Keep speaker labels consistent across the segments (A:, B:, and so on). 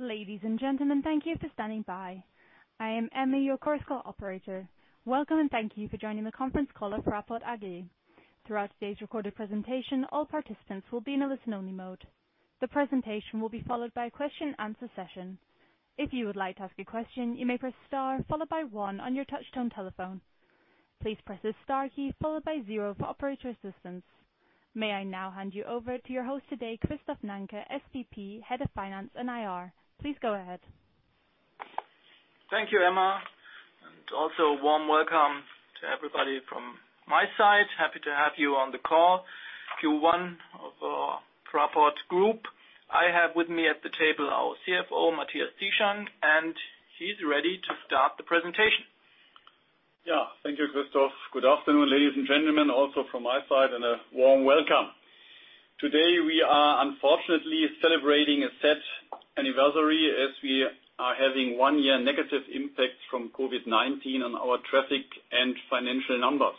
A: Ladies and gentlemen, thank you for standing by. I am Emma, your conference call operator. Welcome, and thank you for joining the conference call for Fraport AG. Throughout today's recorded presentation, all participants will be in a listen-only mode. The presentation will be followed by a question and answer session. If you would like to ask a question, you may press star followed by one on your touchtone telephone. Please press the star key followed by zero for operator assistance. May I now hand you over to your host today, Christoph Nanke, SVP, Head of Finance and IR. Please go ahead.
B: Thank you, Emma. Also a warm welcome to everybody from my side. Happy to have you on the call, Q1 of our Fraport group. I have with me at the table our CFO, Matthias Zieschang, and he's ready to start the presentation.
C: Thank you, Christoph. Good afternoon, ladies and gentlemen, also from my side, and a warm welcome. Today, we are unfortunately celebrating a sad anniversary as we are having one-year negative impact from COVID-19 on our traffic and financial numbers.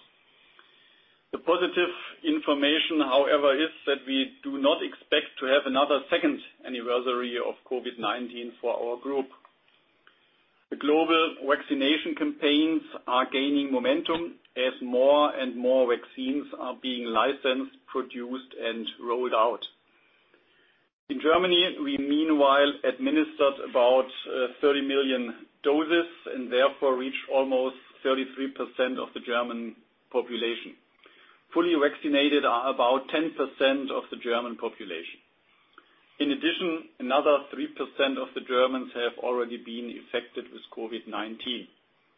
C: The positive information, however, is that we do not expect to have another second anniversary of COVID-19 for our group. The global vaccination campaigns are gaining momentum as more and more vaccines are being licensed, produced, and rolled out. In Germany, we meanwhile administered about 30 million doses and therefore reached almost 33% of the German population. Fully vaccinated are about 10% of the German population. In addition, another 3% of the Germans have already been infected with COVID-19.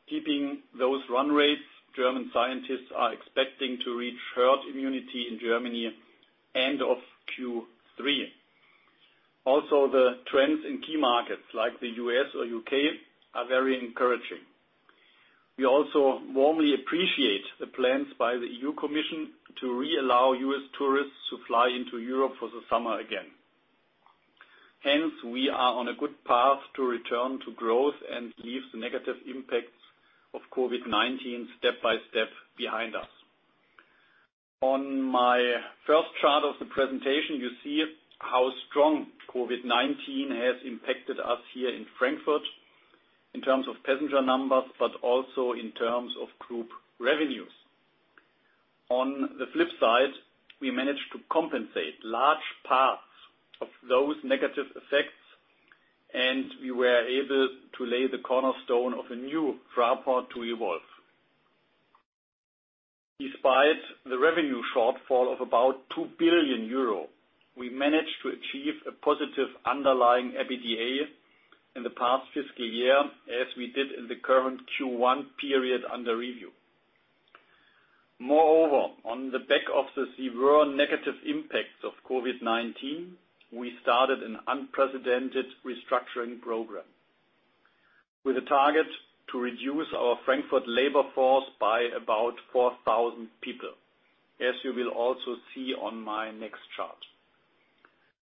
C: Keeping those run rates, German scientists are expecting to reach herd immunity in Germany end of Q3. The trends in key markets like the U.S. or U.K. are very encouraging. We also warmly appreciate the plans by the EU Commission to re-allow U.S. tourists to fly into Europe for the summer again. Hence, we are on a good path to return to growth and leave the negative impacts of COVID-19 step-by-step behind us. On my first chart of the presentation, you see how strong COVID-19 has impacted us here in Frankfurt in terms of passenger numbers, but also in terms of group revenues. On the flip side, we managed to compensate large parts of those negative effects, and we were able to lay the cornerstone of a new Fraport to evolve. Despite the revenue shortfall of about 2 billion euro, we managed to achieve a positive underlying EBITDA in the past fiscal year, as we did in the current Q1 period under review. On the back of the severe negative impacts of COVID-19, we started an unprecedented restructuring program with a target to reduce our Frankfurt labor force by about 4,000 people, as you will also see on my next chart.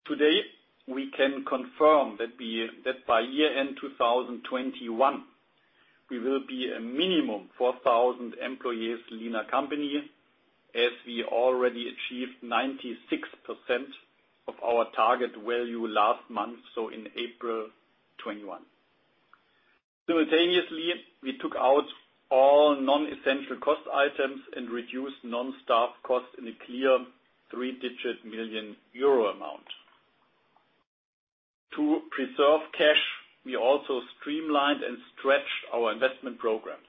C: Today, we can confirm that by year-end 2021, we will be a minimum 4,000 employees leaner company as we already achieved 96% of our target value last month, so in April 2021. Simultaneously, we took out all non-essential cost items and reduced non-staff costs in a clear three-digit million euro amount. To preserve cash, we also streamlined and stretched our investment programs.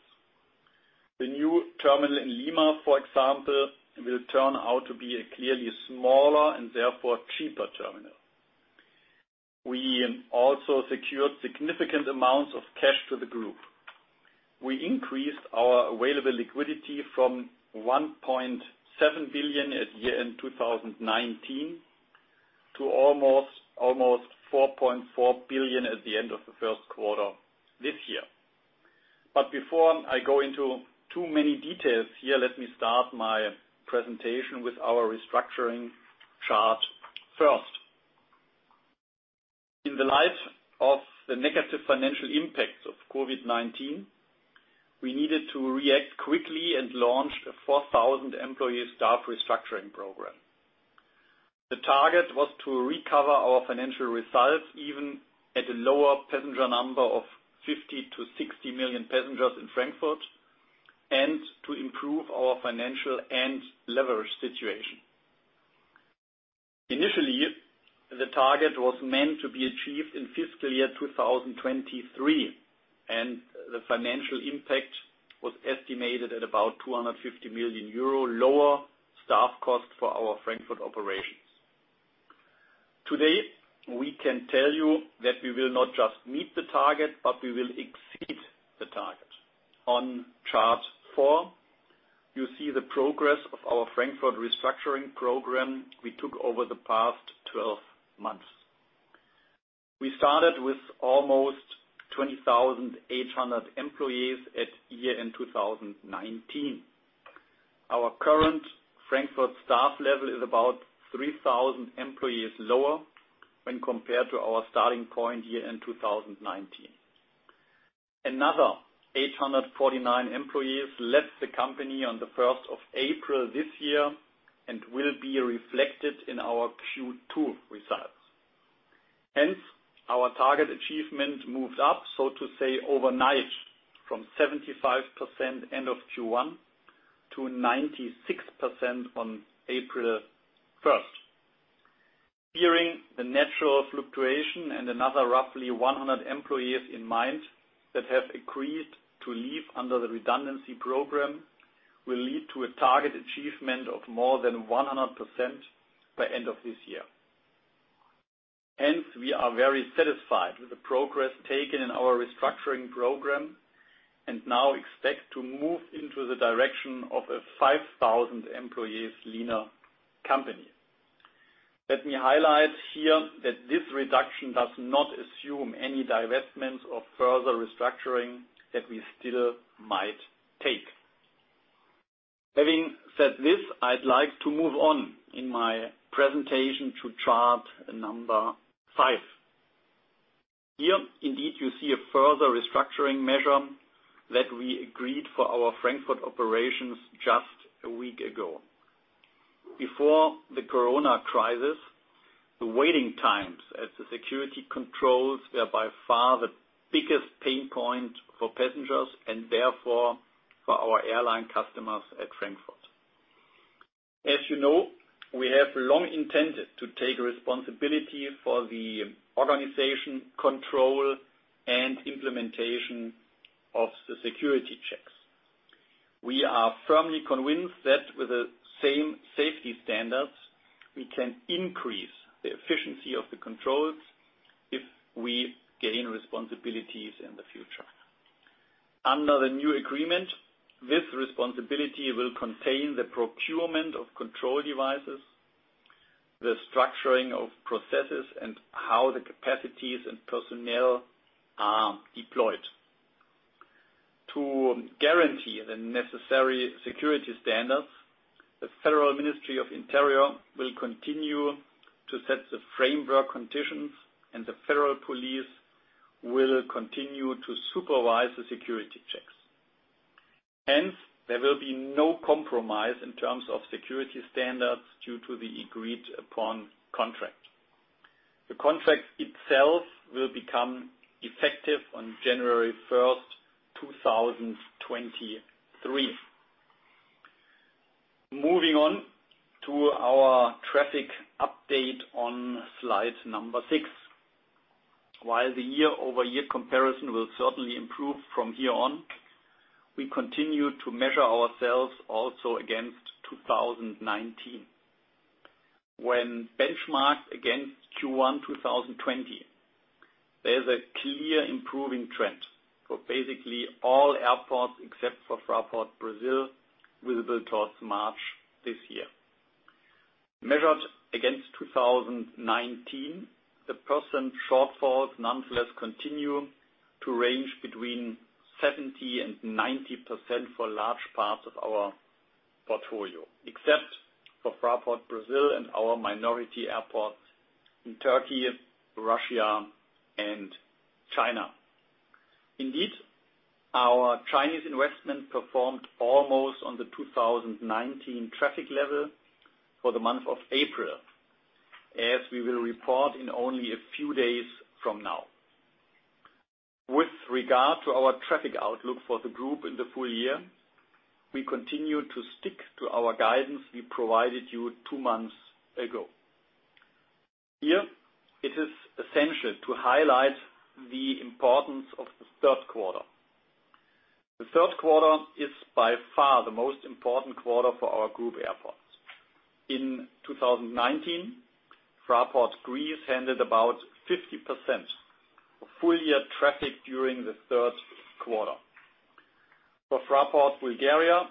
C: The new terminal in Lima, for example, will turn out to be a clearly smaller and therefore cheaper terminal. We also secured significant amounts of cash to the group. We increased our available liquidity from 1.7 billion at year-end 2019 to almost 4.4 billion at the end of the first quarter this year. Before I go into too many details here, let me start my presentation with our restructuring chart first. In the light of the negative financial impacts of COVID-19, we needed to react quickly and launched a 4,000 employee staff restructuring program. The target was to recover our financial results, even at a lower passenger number of 50 million-60 million passengers in Frankfurt, and to improve our financial and leverage situation. Initially, the target was meant to be achieved in fiscal year 2023, and the financial impact was estimated at about 250 million euro lower staff cost for our Frankfurt operations. Today, we can tell you that we will not just meet the target, but we will exceed the target. On chart four, you see the progress of our Frankfurt Restructuring Program we took over the past 12 months. We started with almost 20,800 employees at year-end 2019. Our current Frankfurt staff level is about 3,000 employees lower when compared to our starting point year-end 2019. Another 849 employees left the company on the 1st of April this year and will be reflected in our Q2 results. Hence, our target achievement moved up, so to say, overnight from 75% end of Q1 to 96% on April 1st. Hearing the natural fluctuation and another roughly 100 employees in mind that have agreed to leave under the redundancy program will lead to a target achievement of more than 100% by end of this year. Hence, we are very satisfied with the progress taken in our Restructuring Program and now expect to move into the direction of a 5,000 employees leaner company. Let me highlight here that this reduction does not assume any divestments of further restructuring that we still might take. Having said this, I'd like to move on in my presentation to chart number five. Here, indeed, you see a further restructuring measure that we agreed for our Frankfurt operations just a week ago. Before the corona crisis, the waiting times at the security controls were by far the biggest pain point for passengers and therefore for our airline customers at Frankfurt. As you know, we have long intended to take responsibility for the organization control and implementation of the security checks. We are firmly convinced that with the same safety standards, we can increase the efficiency of the controls if we gain responsibilities in the future. Under the new agreement, this responsibility will contain the procurement of control devices, the structuring of processes, and how the capacities and personnel are deployed. To guarantee the necessary security standards, the Federal Ministry of Interior will continue to set the framework conditions, and the Federal Police will continue to supervise the security checks. There will be no compromise in terms of security standards due to the agreed-upon contract. The contract itself will become effective on January 1st, 2023. Moving on to our traffic update on slide number six. While the year-over-year comparison will certainly improve from here on, we continue to measure ourselves also against 2019. When benchmarked against Q1 2020, there's a clear improving trend for basically all airports except for Fraport Brasil, visible towards March this year. Measured against 2019, the percent shortfall nonetheless continue to range between 70% and 90% for large parts of our portfolio, except for Fraport Brasil and our minority airports in Turkey, Russia and China. Indeed, our Chinese investment performed almost on the 2019 traffic level for the month of April, as we will report in only a few days from now. With regard to our traffic outlook for the group in the full year, we continue to stick to our guidance we provided you two months ago. Here, it is essential to highlight the importance of the third quarter. The third quarter is by far the most important quarter for our group airports. In 2019, Fraport Greece handled about 50% of full year traffic during the third quarter. For Fraport Bulgaria,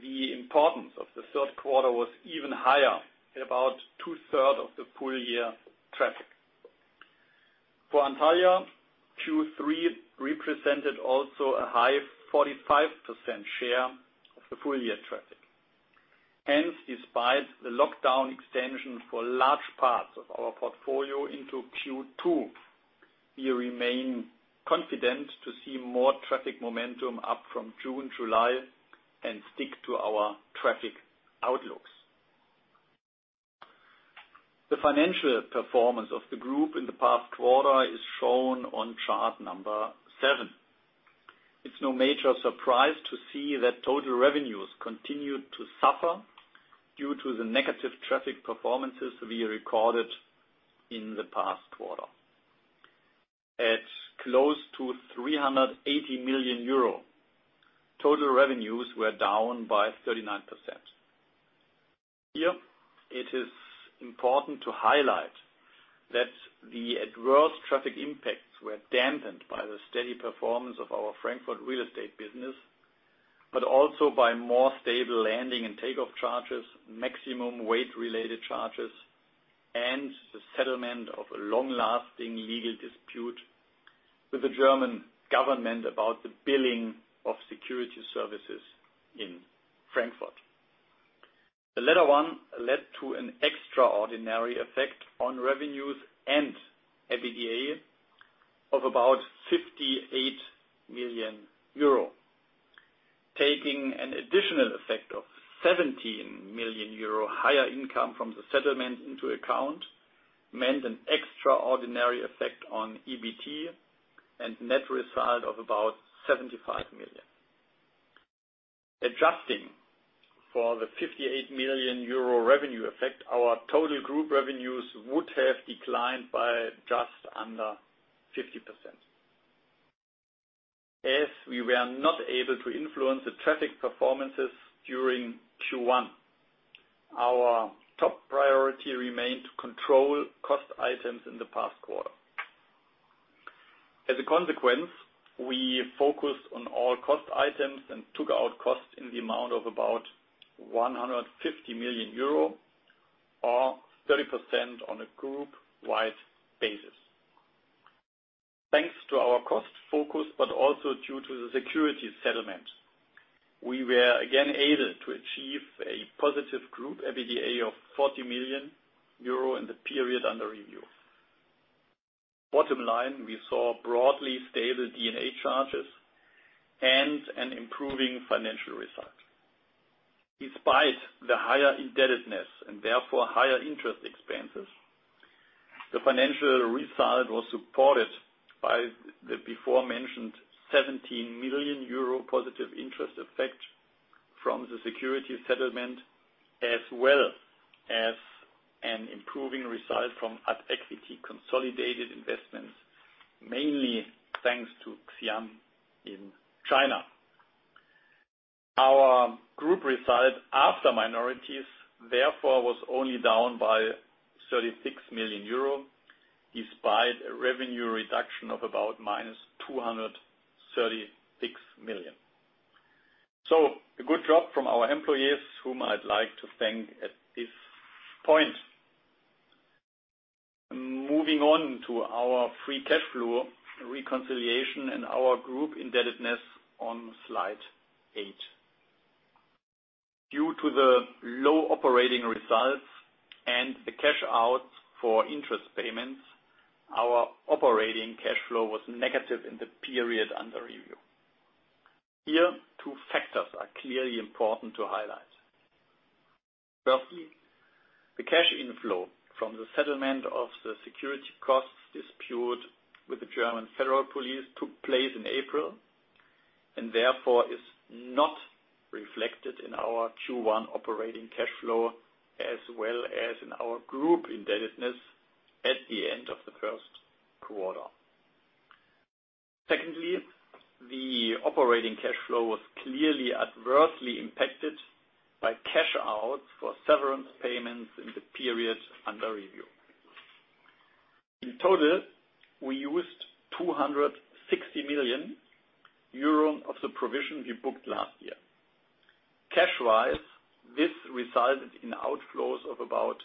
C: the importance of the third quarter was even higher at about two-third of the full year traffic. For Antalya, Q3 represented also a high 45% share of the full year traffic. Despite the lockdown extension for large parts of our portfolio into Q2, we remain confident to see more traffic momentum up from June, July and stick to our traffic outlooks. The financial performance of the group in the past quarter is shown on chart number seven. It's no major surprise to see that total revenues continued to suffer due to the negative traffic performances we recorded in the past quarter. At close to 380 million euro, total revenues were down by 39%. Here it is important to highlight that the adverse traffic impacts were dampened by the steady performance of our Frankfurt real estate business, but also by more stable landing and takeoff charges, maximum weight related charges, and the settlement of a long-lasting legal dispute with the German government about the billing of security services in Frankfurt. The latter one led to an extraordinary effect on revenues and EBITDA of about 58 million euro. Taking an additional effect of 17 million euro higher income from the settlement into account meant an extraordinary effect on EBT and net result of about 75 million. Adjusting for the 58 million euro revenue effect, our total group revenues would have declined by just under 50%. As we were not able to influence the traffic performances during Q1, our top priority remained to control cost items in the past quarter. As a consequence, we focused on all cost items and took out costs in the amount of about 150 million euro or 30% on a group wide basis. Thanks to our cost focus, but also due to the security settlement, we were again aided to achieve a positive group EBITDA of 40 million euro in the period under review. Bottom line, we saw broadly stable D&A charges and an improving financial result. Despite the higher indebtedness and therefore higher interest expenses, the financial result was supported by the before mentioned 17 million euro positive interest effect from the security settlement, as well as an improving result from at-equity consolidated investments, mainly thanks to Xi'an in China. Our group result after minorities, therefore, was only down by 36 million euro, despite a revenue reduction of about minus 236 million. A good job from our employees whom I'd like to thank at this point. Moving on to our free cash flow reconciliation and our group indebtedness on slide eight. Due to the low operating results and the cash outs for interest payments, our operating cash flow was negative in the period under review. Here, two factors are clearly important to highlight. Firstly, the cash inflow from the settlement of the security costs dispute with the German Federal Police took place in April, and therefore is not reflected in our Q1 operating cash flow, as well as in our group indebtedness at the end of the first quarter. Secondly, the operating cash flow was clearly adversely impacted by cash outs for severance payments in the period under review. In total, we used 260 million euros of the provision we booked last year. Cash wise, this resulted in outflows of about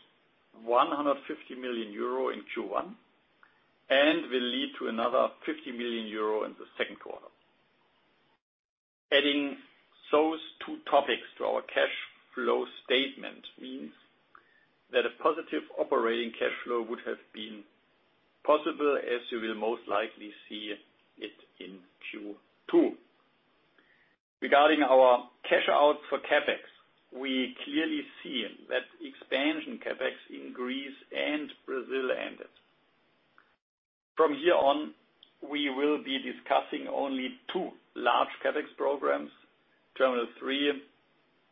C: 150 million euro in Q1 and will lead to another 50 million euro in the second quarter. Adding those two topics to our cash flow statement means that a positive operating cash flow would have been possible, as you will most likely see it in Q2. Regarding our cash outs for CapEx, we clearly see that expansion CapEx in Greece and Brazil ended. From here on, we will be discussing only two large CapEx programs, Terminal 3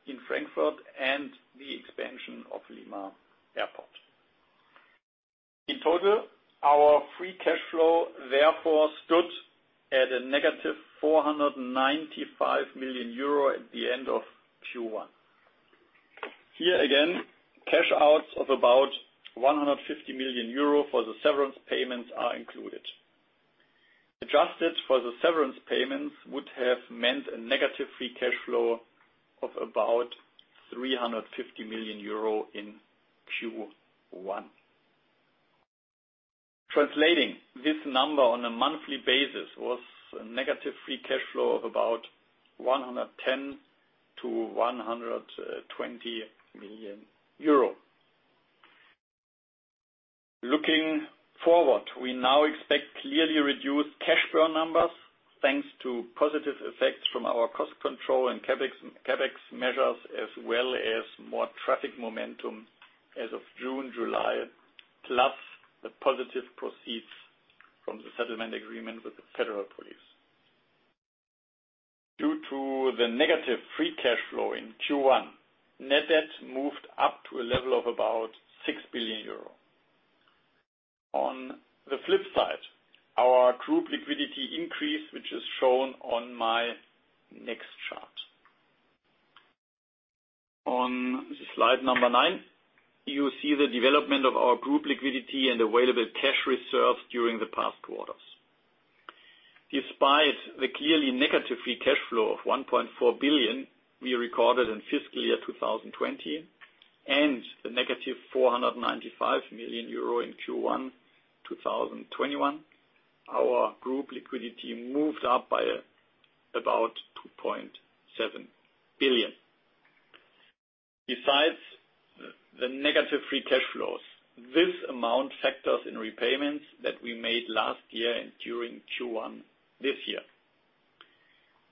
C: in Frankfurt and the expansion of Lima Airport. In total, our free cash flow therefore stood at a negative 495 million euro at the end of Q1. Here again, cash outs of about 150 million euro for the severance payments are included. Adjusted for the severance payments would have meant a negative free cash flow of about 350 million euro in Q1. Translating this number on a monthly basis was a negative free cash flow of about 110 million-120 million euro. Looking forward, we now expect clearly reduced cash burn numbers, thanks to positive effects from our cost control and CapEx measures, as well as more traffic momentum as of June, July, plus the positive proceeds from the settlement agreement with the Federal Police. Due to the negative free cash flow in Q1, net debt moved up to a level of about 6 billion euro. On the flip side, our group liquidity increased, which is shown on my next chart. On Slide Number nine, you see the development of our group liquidity and available cash reserves during the past quarters. Despite the clearly negative free cash flow of 1.4 billion we recorded in fiscal year 2020 and the negative 495 million euro in Q1 2021, our group liquidity moved up by about 2.7 billion. Besides the negative free cash flows, this amount factors in repayments that we made last year and during Q1 this year.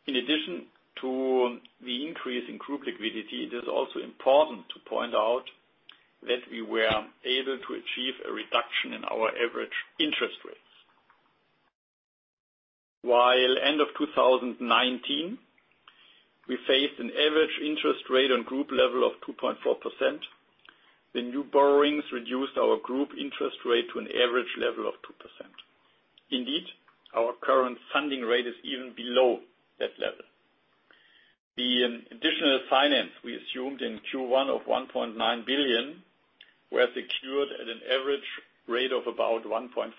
C: In addition to the increase in group liquidity, it is also important to point out that we were able to achieve a reduction in our average interest rates. While end of 2019, we faced an average interest rate on group level of 2.4%, the new borrowings reduced our group interest rate to an average level of 2%. Indeed, our current funding rate is even below that level. The additional finance we assumed in Q1 of 1.9 billion were secured at an average rate of about 1.5%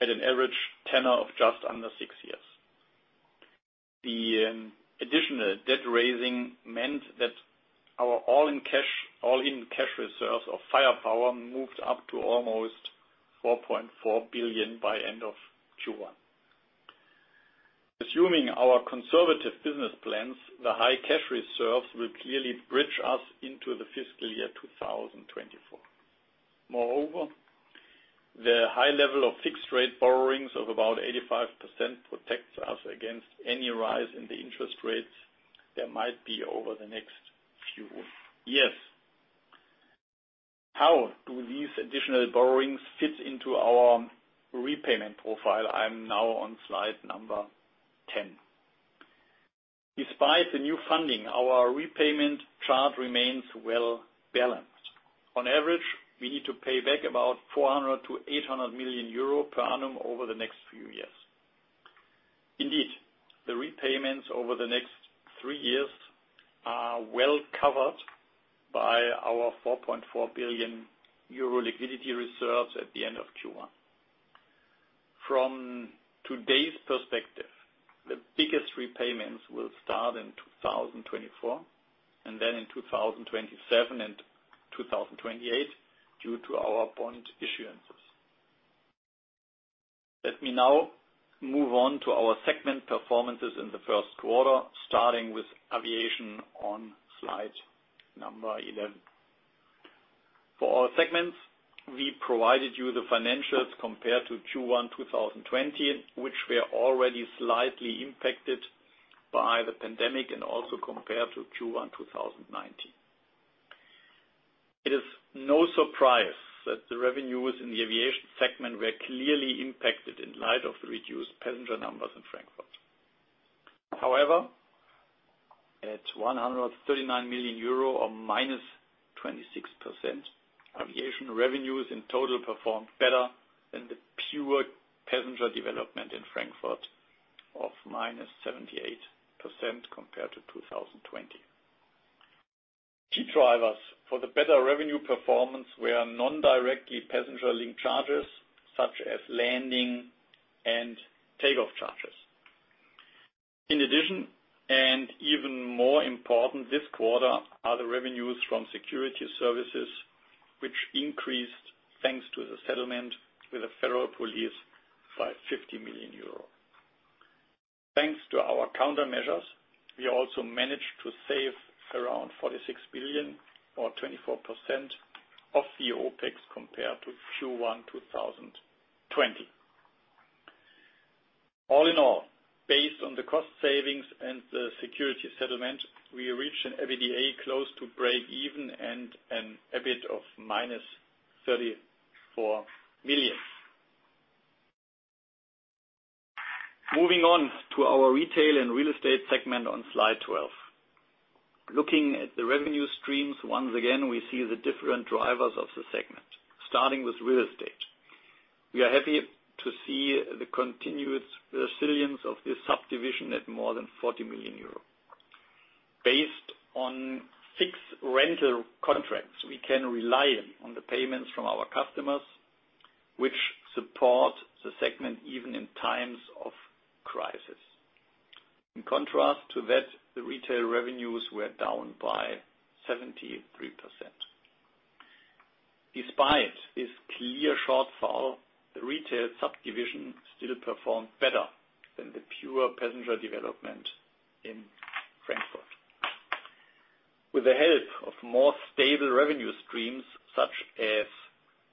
C: at an average tenor of just under six years. The additional debt raising meant that our all-in cash reserves of firepower moved up to almost 4.4 billion by end of Q1. Assuming our conservative business plans, the high cash reserves will clearly bridge us into the fiscal year 2024. Moreover, the high level of fixed rate borrowings of about 85% protects us against any rise in the interest rates there might be over the next few years. How do these additional borrowings fit into our repayment profile? I'm now on slide number 10. Despite the new funding, our repayment chart remains well-balanced. On average, we need to pay back about 400 million-800 million euro per annum over the next few years. Indeed, the repayments over the next three years are well covered by our 4.4 billion euro liquidity reserves at the end of Q1. From today's perspective, the biggest repayments will start in 2024 and then in 2027 and 2028 due to our bond issuances. Let me now move on to our segment performances in the first quarter, starting with aviation on slide 11. For all segments, we provided you the financials compared to Q1 2020, which were already slightly impacted by the pandemic and also compared to Q1 2019. It is no surprise that the revenues in the aviation segment were clearly impacted in light of the reduced passenger numbers in Frankfurt. However, at 139 million euro or -26%, aviation revenues in total performed better than the pure passenger development in Frankfurt of -78% compared to 2020. Key drivers for the better revenue performance were non-directly passenger link charges, such as landing and takeoff charges. In addition, and even more important this quarter, are the revenues from security services, which increased thanks to the settlement with the Federal Police by 50 million euro. Thanks to our countermeasures, we also managed to save around 46 billion or 24% of the OpEx compared to Q1 2020. All in all, based on the cost savings and the security settlement, we reached an EBITDA close to break even and an EBIT of minus 34 million. Moving on to our retail and real estate segment on slide 12. Looking at the revenue streams, once again, we see the different drivers of the segment. Starting with real estate. We are happy to see the continuous resilience of the subdivision at more than EUR 40 million. Based on fixed rental contracts, we can rely on the payments from our customers, which support the segment even in times of crisis. In contrast to that, the retail revenues were down by 73%. Despite this clear shortfall, the retail subdivision still performed better than the pure passenger development in Frankfurt. With the help of more stable revenue streams such as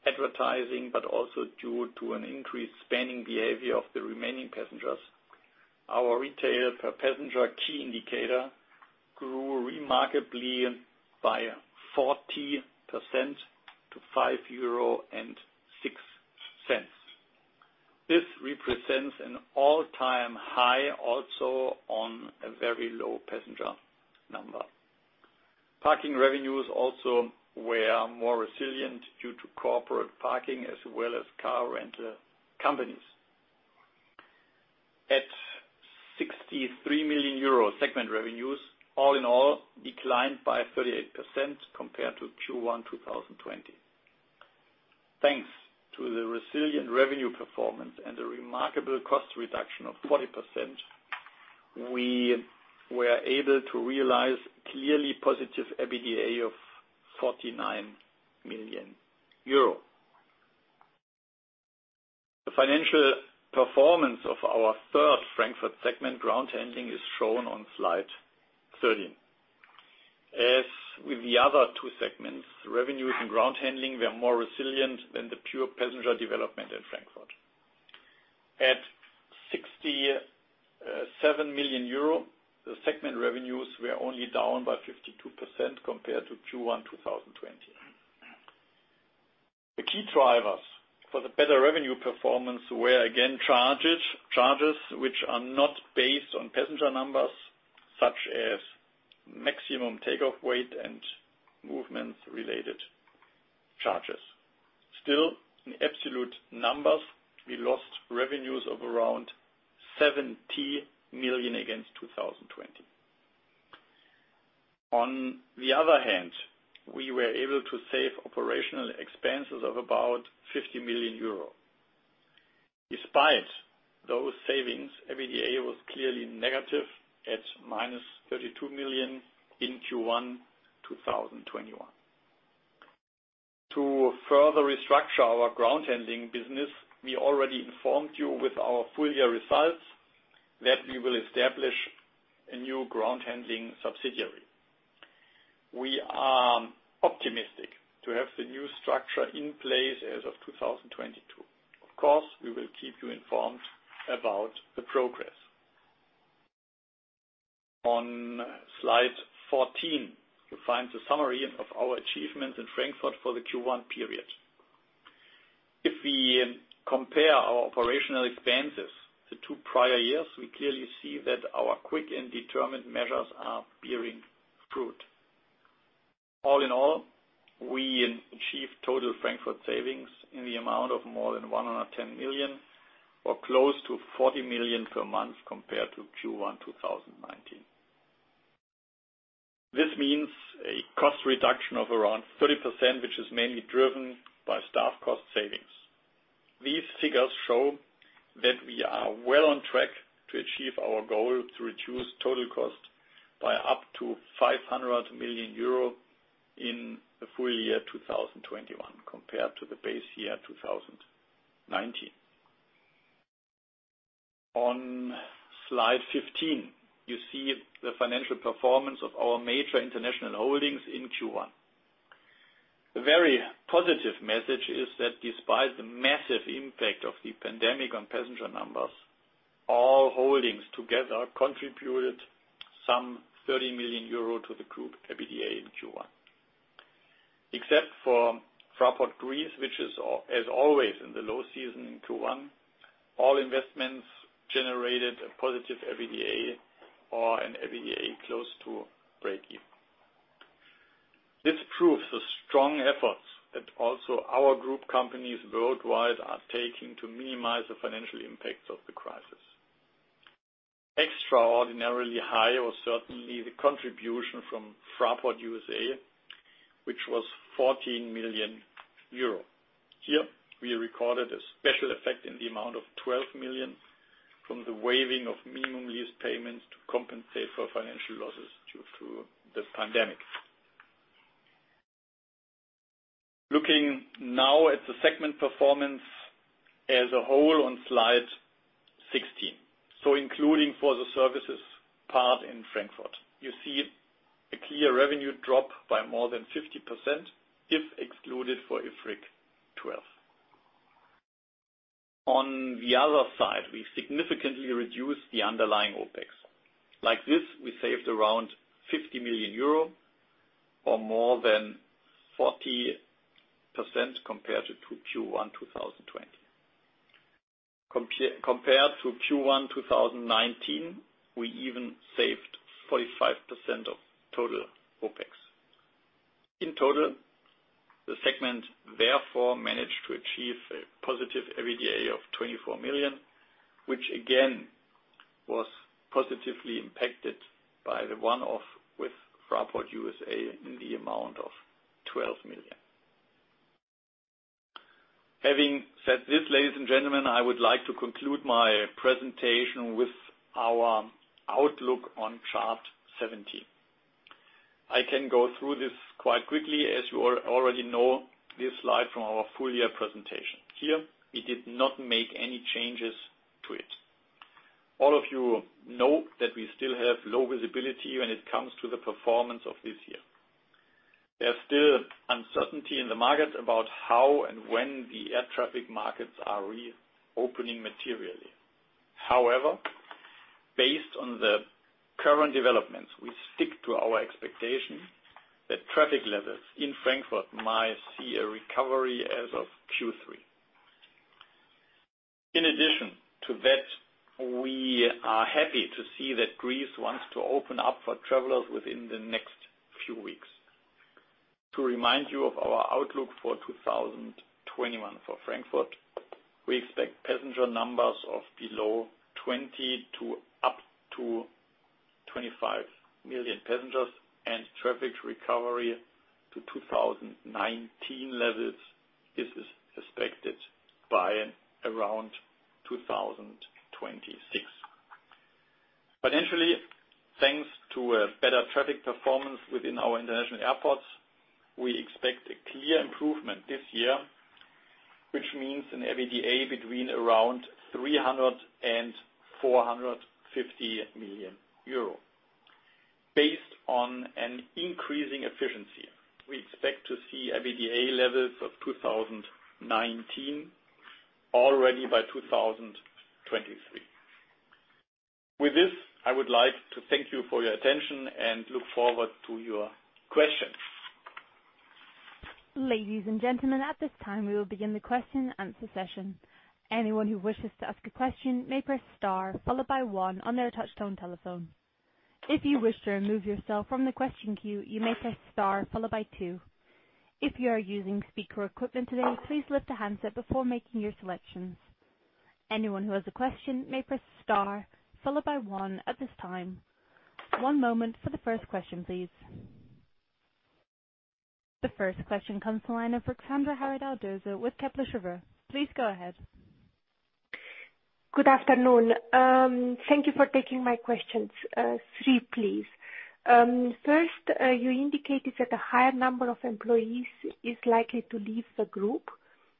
C: advertising, but also due to an increased spending behavior of the remaining passengers, our retail per passenger key indicator grew remarkably by 40% to 5.06 euro. This represents an all-time high, also on a very low passenger number. Parking revenues also were more resilient due to corporate parking as well as car rental companies. At 63 million euro segment revenues, all in all declined by 38% compared to Q1 2020. Thanks to the resilient revenue performance and the remarkable cost reduction of 40%, we were able to realize clearly positive EBITDA of 49 million euro. The financial performance of our third Frankfurt segment, ground handling, is shown on slide 13. As with the other two segments, revenues in ground handling were more resilient than the pure passenger development in Frankfurt. At 67 million euro, the segment revenues were only down by 52% compared to Q1 2020. The key drivers for the better revenue performance were, again, charges which are not based on passenger numbers, such as maximum takeoff weight and movements related charges. Still, in absolute numbers, we lost revenues of around 70 million against 2020. On the other hand, we were able to save operational expenses of about 50 million euro. Despite those savings, EBITDA was clearly negative at minus 32 million in Q1 2021. To further restructure our ground handling business, we already informed you with our full year results that we will establish a new ground handling subsidiary. We are optimistic to have the new structure in place as of 2022. Of course, we will keep you informed about the progress. On slide 14, you'll find the summary of our achievements in Frankfurt for the Q1 period. If we compare our operational expenses to two prior years, we clearly see that our quick and determined measures are bearing fruit. All in all, we achieved total Frankfurt savings in the amount of more than 110 million or close to 40 million per month compared to Q1 2019. This means a cost reduction of around 30%, which is mainly driven by staff cost savings. These figures show that we are well on track to achieve our goal to reduce total cost by up to 500 million euro in the full year 2021 compared to the base year 2019. On slide 15, you see the financial performance of our major international holdings in Q1. A very positive message is that despite the massive impact of the pandemic on passenger numbers, all holdings together contributed some 30 million euro to the group EBITDA in Q1. Except for Fraport Greece, which is as always in the low season Q1, all investments generated a positive EBITDA or an EBITDA close to breakeven. This proves the strong efforts that also our group companies worldwide are taking to minimize the financial impacts of the crisis. Extraordinarily high was certainly the contribution from Fraport USA, which was 14 million euro. Here, we recorded a special effect in the amount of 12 million from the waiving of minimum lease payments to compensate for financial losses due to the pandemic. Looking now at the segment performance as a whole on slide 16, so including for the services part in Frankfurt. You see a clear revenue drop by more than 50% if excluded for IFRIC 12. On the other side, we significantly reduced the underlying OpEx. Like this, we saved around 50 million euro or more than 40% compared to Q1 2020. Compared to Q1 2019, we even saved 45% of total OpEx. In total, the segment therefore managed to achieve a positive EBITDA of 24 million, which again, was positively impacted by the one-off with Fraport USA in the amount of 12 million. Having said this, ladies and gentlemen, I would like to conclude my presentation with our outlook on chart 17. I can go through this quite quickly, as you all already know this slide from our full-year presentation. Here, we did not make any changes to it. All of you know that we still have low visibility when it comes to the performance of this year. There's still uncertainty in the market about how and when the air traffic markets are reopening materially. Based on the current developments, we stick to our expectation that traffic levels in Frankfurt might see a recovery as of Q3. In addition to that, we are happy to see that Greece wants to open up for travelers within the next few weeks. To remind you of our outlook for 2021 for Frankfurt, we expect passenger numbers of below 20 to up to 25 million passengers and traffic recovery to 2019 levels is expected by around 2026. Financially, thanks to a better traffic performance within our international airports, we expect a clear improvement this year, which means an EBITDA between around 300 million euro and 450 million euro. Based on an increasing efficiency, we expect to see EBITDA levels of 2019 already by 2023. With this, I would like to thank you for your attention and look forward to your questions.
A: Ladies and gentlemen, at this time, we will begin the question and answer session. Anyone who whishes to ask a question, may press star followed by one on their touch-tone telephone. If you wish to remove yourself from the question queue, you may press star followed by two. If you are using speaker equipment today, please lift the handset before making your selection. Anyone who has a question, may press star followed by one at this time. One moment for the first question please. The first question comes to line of Ruxandra Haradau-Doser with Kepler Cheuvreux. Please go ahead.
D: Good afternoon. Thank you for taking my questions. Three, please. First, you indicated that a higher number of employees is likely to leave the group.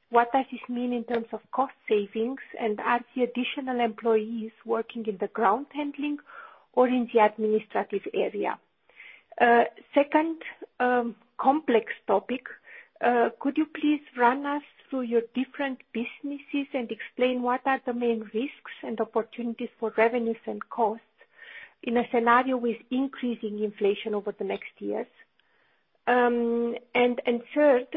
D: What does this mean in terms of cost savings? Are the additional employees working in the ground handling or in the administrative area? Second, complex topic. Could you please run us through your different businesses and explain what are the main risks and opportunities for revenues and costs in a scenario with increasing inflation over the next years? Third,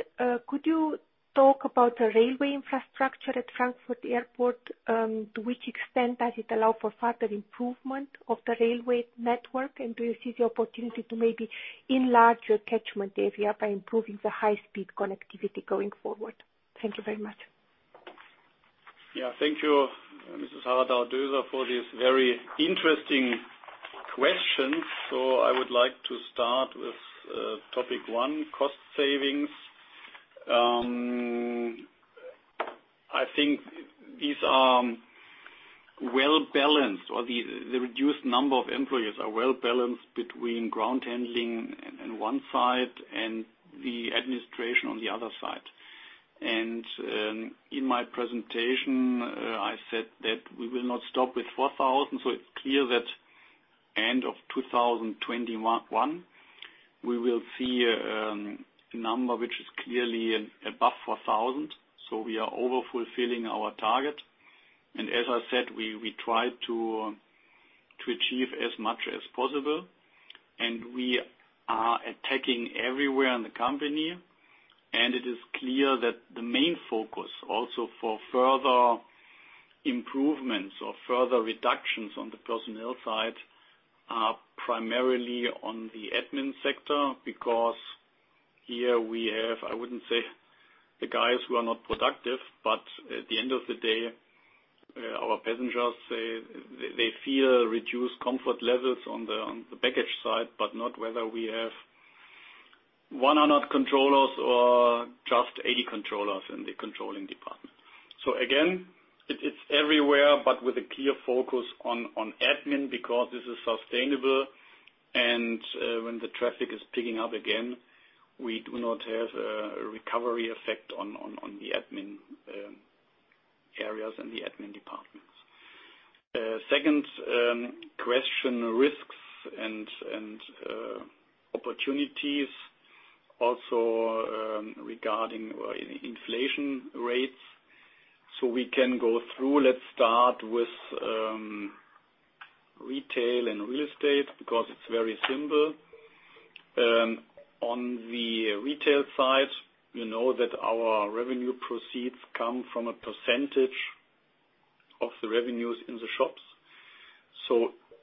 D: could you talk about the railway infrastructure at Frankfurt Airport? To which extent does it allow for further improvement of the railway network? Do you see the opportunity to maybe enlarge your catchment area by improving the high speed connectivity going forward? Thank you very much.
C: Thank you, Haradau-Doser, for these very interesting questions. I would like to start with topic one, cost savings. I think these are well-balanced, or the reduced number of employees are well-balanced between ground handling on one side and the administration on the other side. In my presentation, I said that we will not stop with 4,000, it's clear that end of 2021, we will see a number which is clearly above 4,000. We are overfulfilling our target. As I said, we try to achieve as much as possible. We are attacking everywhere in the company, and it is clear that the main focus also for further improvements or further reductions on the personnel side are primarily on the admin sector, because here we have, I wouldn't say the guys who are not productive, but at the end of the day, our passengers say they feel reduced comfort levels on the baggage side, but not whether we have 100 controllers or just 80 controllers in the controlling department. Again, it's everywhere, but with a clear focus on admin because this is sustainable and when the traffic is picking up again, we do not have a recovery effect on the admin areas and the admin departments. Second question, risks and opportunities also regarding inflation rates. We can go through. Let's start with retail and real estate because it's very simple. On the retail side, you know that our revenue proceeds come from a percentage of the revenues in the shops.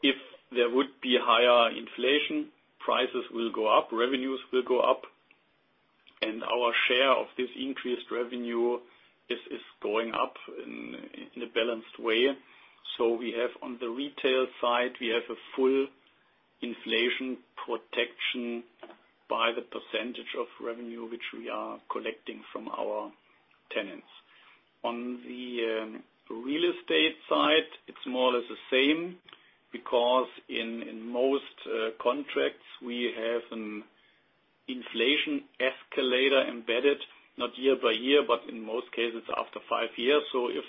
C: If there would be higher inflation, prices will go up, revenues will go up, and our share of this increased revenue is going up in a balanced way. We have on the retail side, we have a full inflation protection by the percentage of revenue, which we are collecting from our tenants. On the real estate side, it's more or less the same because in most contracts we have an inflation escalator embedded, not year by year, but in most cases after five years. If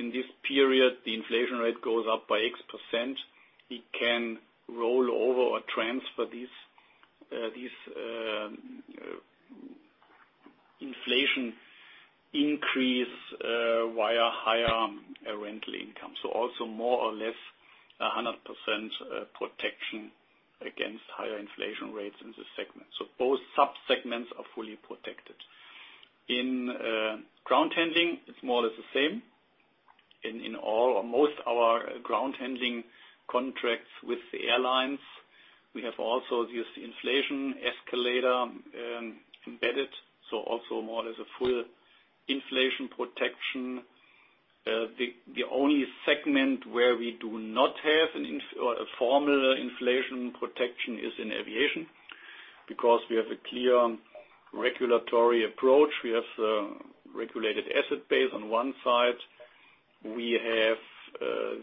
C: in this period the inflation rate goes up by X percent, it can roll over or transfer this inflation increase via higher rental income. Also more or less 100% protection against higher inflation rates in this segment. Both subsegments are fully protected. In ground handling, it's more or less the same. In all or most our ground handling contracts with the airlines, we have also this inflation escalator embedded, so also more or less a full inflation protection. The only segment where we do not have a formula inflation protection is in aviation because we have a clear regulatory approach. We have a regulated asset base on one side. We have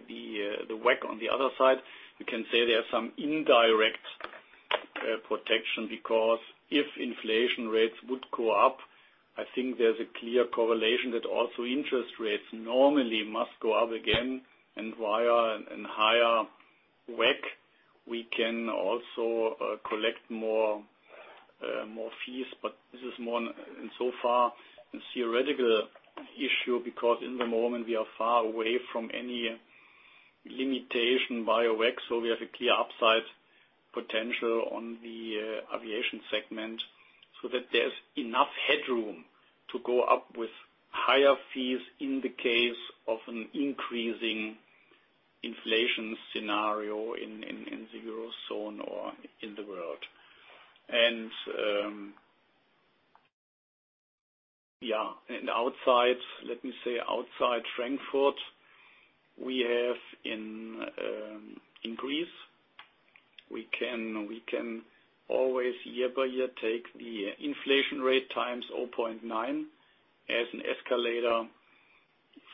C: the WACC on the other side. We can say there are some indirect protection because if inflation rates would go up, I think there's a clear correlation that also interest rates normally must go up again. Via and higher WACC, we can also collect more fees. This is more in so far a theoretical issue because at the moment we are far away from any limitation by WACC, so we have a clear upside potential on the aviation segment so that there's enough headroom to go up with higher fees in the case of an increasing inflation scenario in the Eurozone or in the world. Yes. Let me say outside Frankfurt, we have an increase. We can always year by year take the inflation rate times 0.9 as an escalator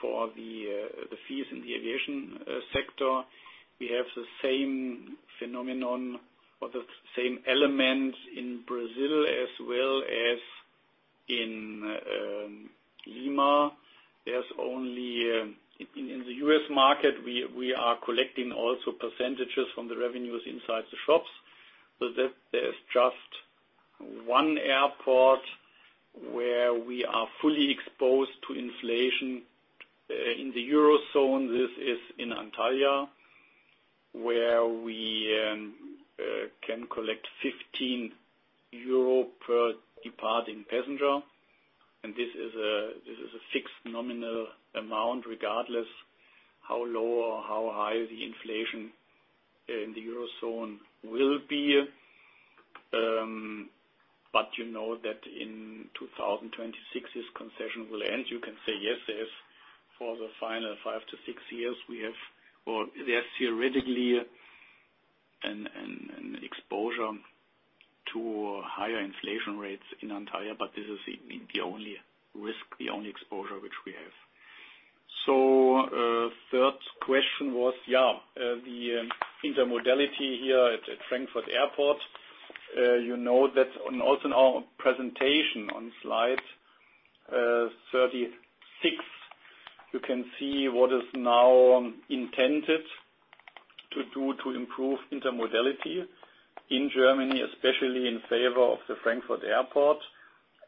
C: for the fees in the aviation sector. We have the same phenomenon or the same element in Brazil as well as in Lima. In the U.S. market, we are collecting also percentages from the revenues inside the shops. There's just one airport where we are fully exposed to inflation in the Eurozone. This is in Antalya, where we can collect 15 euro per departing passenger. This is a fixed nominal amount regardless how low or how high the inflation in the Eurozone will be. You know that in 2026, this concession will end. You can say, yes, there's for the final five to six years, we have, or there's theoretically an exposure to higher inflation rates in Antalya, but this is the only risk, the only exposure which we have. Third question was, yes, the intermodality here at Frankfurt Airport. You know that also in our presentation on slide 36, you can see what is now intended to do to improve intermodality in Germany, especially in favor of the Frankfurt Airport.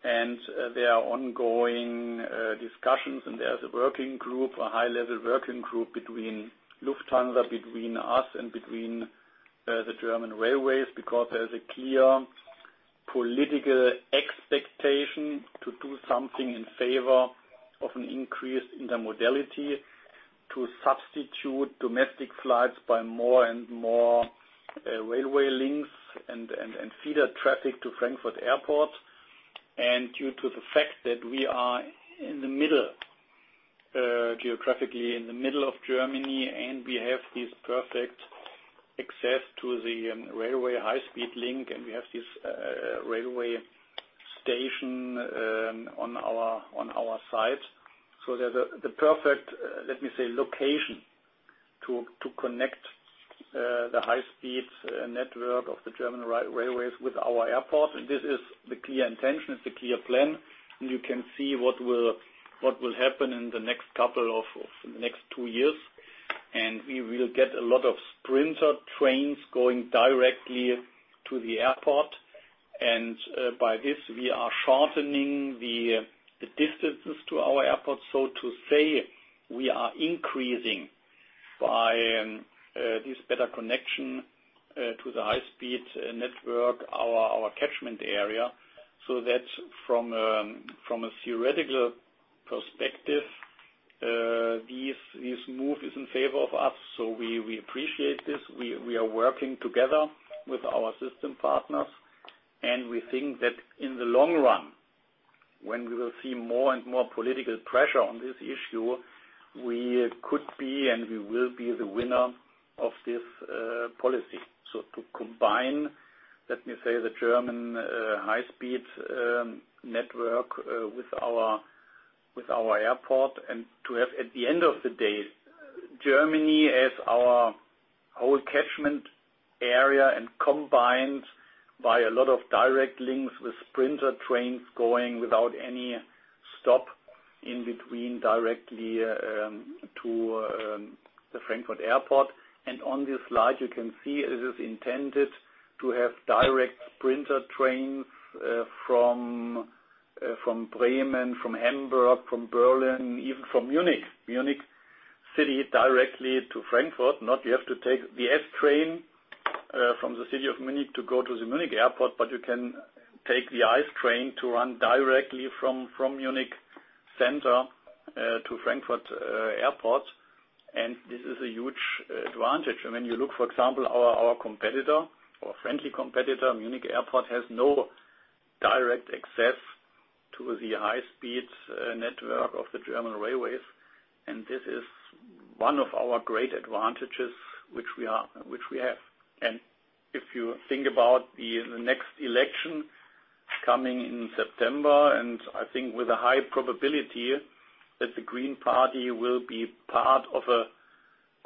C: There are ongoing discussions and there's a working group, a high-level working group between Lufthansa, between us, and between the German railways because there's a clear political expectation to do something in favor of an increase in intermodality to substitute domestic flights by more and more railway links and feeder traffic to Frankfurt Airport. Due to the fact that we are geographically in the middle of Germany and we have this perfect access to the railway high-speed link, and we have this railway station on our side. There's the perfect, let me say, location to connect the high-speed network of the German railways with our airport. This is the clear intention. It's the clear plan. You can see what will happen in the next two years. We will get a lot of sprinter trains going directly to the airport. By this, we are shortening the distances to our airport. To say, we are increasing by this better connection to the high speed network, our catchment area. That from a theoretical perspective, this move is in favor of us. We appreciate this. We are working together with our system partners, and we think that in the long run, when we will see more and more political pressure on this issue, we could be and we will be the winner of this policy. To combine, let me say, the German high speed network with our airport and to have, at the end of the day, Germany as our whole catchment area and combined by a lot of direct links with sprinter trains going without any stop in between directly to the Frankfurt Airport. On this slide you can see it is intended to have direct sprinter trains from Bremen, from Hamburg, from Berlin, even from Munich city directly to Frankfurt. Not you have to take the S train from the city of Munich to go to the Munich Airport, but you can take the ICE train to run directly from Munich center to Frankfurt Airport. This is a huge advantage. When you look, for example, our competitor or friendly competitor, Munich Airport has no direct access to the high speed network of the German railways. This is one of our great advantages which we have. If you think about the next election coming in September, and I think with a high probability that the Green Party will be part of a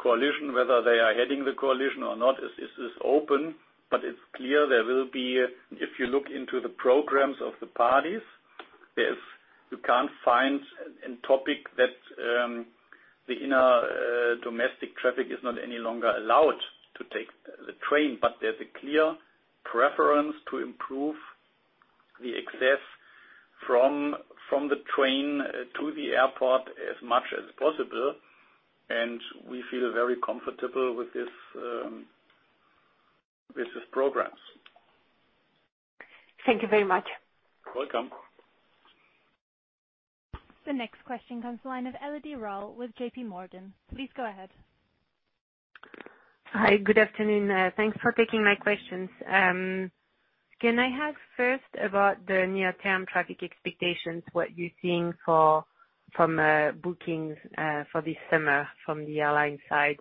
C: coalition, whether they are heading the coalition or not is open, but it's clear there will be, if you look into the programs of the parties, you can't find a topic that the inner domestic traffic is not any longer allowed to take the train. There's a clear preference to improve the access from the train to the airport as much as possible, and we feel very comfortable with these programs.
D: Thank you very much.
C: Welcome.
A: The next question comes to the line of Elodie Rall with JPMorgan. Please go ahead.
E: Hi. Good afternoon. Thanks for taking my questions. Can I have first about the near term traffic expectations, what you're seeing from bookings for this summer from the airline side?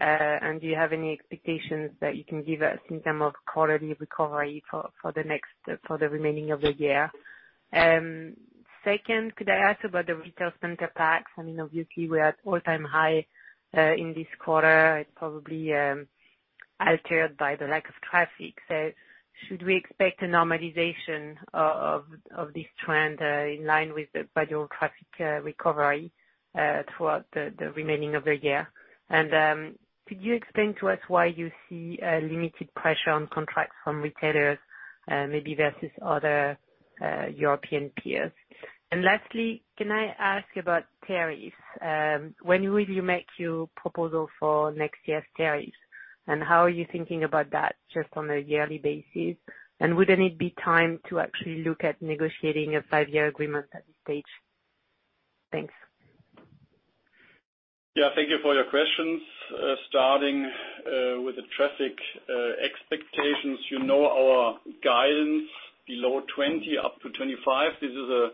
E: Do you have any expectations that you can give us in terms of quarterly recovery for the remaining of the year? Second, could I ask about the retail center pax? Obviously we're at all-time high in this quarter. It's probably altered by the lack of traffic. Should we expect a normalization of this trend in line with the gradual traffic recovery throughout the remaining of the year? Could you explain to us why you see a limited pressure on contracts from retailers, maybe versus other European peers? Lastly, can I ask about tariffs? When will you make your proposal for next year's tariffs, and how are you thinking about that, just on a yearly basis? Wouldn't it be time to actually look at negotiating a five-year agreement at this stage? Thanks.
C: Yeah. Thank you for your questions. Starting with the traffic expectations. You know our guidance below 20, up to 25. This is a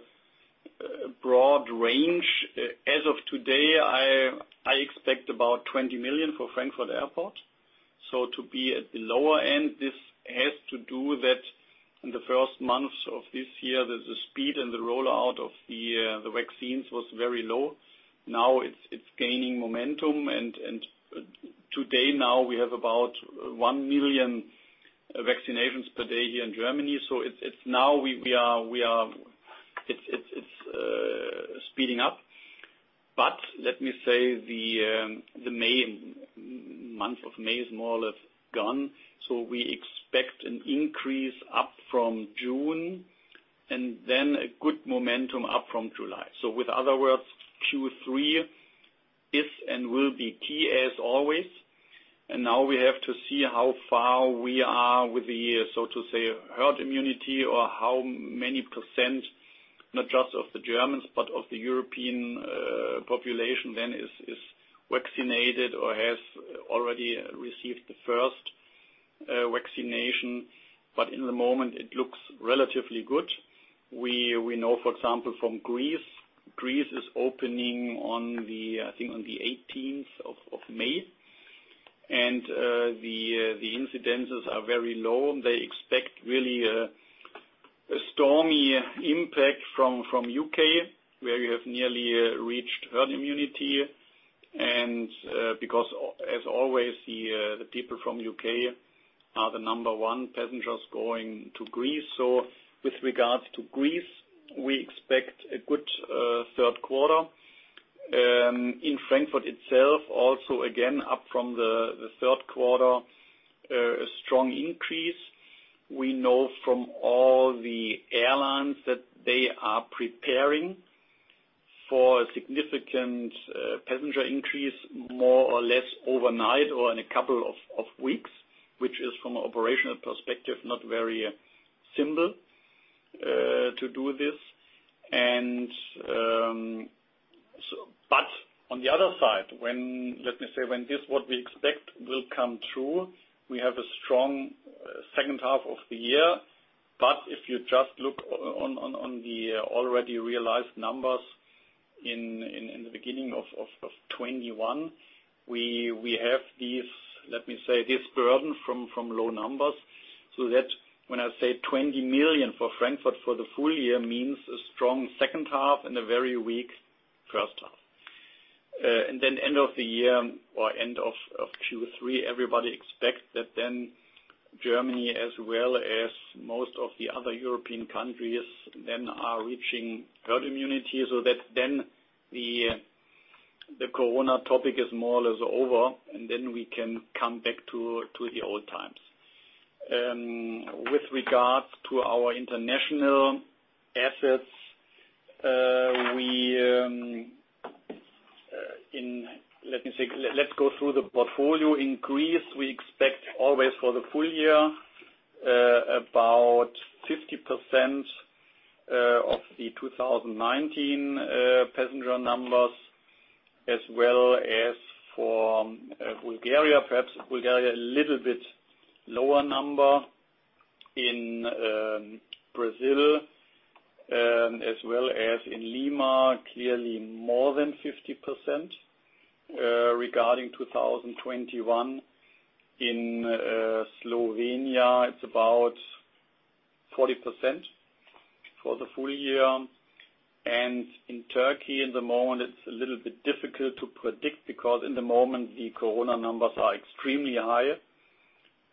C: broad range. As of today, I expect about 20 million for Frankfurt Airport. To be at the lower end, this has to do that in the first months of this year, the speed and the rollout of the vaccines was very low. Now it's gaining momentum, and today now we have about 1 million vaccinations per day here in Germany. Now it's speeding up. Let me say, the month of May is more or less gone. We expect an increase up from June and then a good momentum up from July. With other words, Q3 is and will be key, as always. Now we have to see how far we are with the, so to say, herd immunity or how many percent not just of the Germans, but of the European population then is vaccinated or has already received the first vaccination. In the moment, it looks relatively good. We know, for example, from Greece. Greece is opening I think on the 18th of May. The incidences are very low. They expect really a stormy impact from U.K., where you have nearly reached herd immunity. Because as always, the people from U.K. are the number one passengers going to Greece. With regards to Greece, we expect a good third quarter. In Frankfurt itself, also, again, up from the third quarter, a strong increase. We know from all the airlines that they are preparing for a significant passenger increase more or less overnight or in a couple of weeks, which is from an operational perspective, not very simple to do this. On the other side, let me say, when this, what we expect will come through, we have a strong second half of the year. If you just look on the already realized numbers in the beginning of 2021, we have these, let me say, this burden from low numbers, so that when I say 20 million for Frankfurt for the full year means a strong second half and a very weak first half. End of the year or end of Q3, everybody expects that then Germany, as well as most of the other European countries, then are reaching herd immunity, so that then the COVID topic is more or less over, and then we can come back to the old times. With regards to our international assets, let's go through the portfolio. In Greece, we expect always for the full year about 50% of the 2019 passenger numbers. For Bulgaria, perhaps Bulgaria a little bit lower number. In Brazil, as well as in Lima, clearly more than 50%. Regarding 2021, in Slovenia, it's about 40% for the full year. In Turkey at the moment, it's a little bit difficult to predict because at the moment the COVID numbers are extremely high,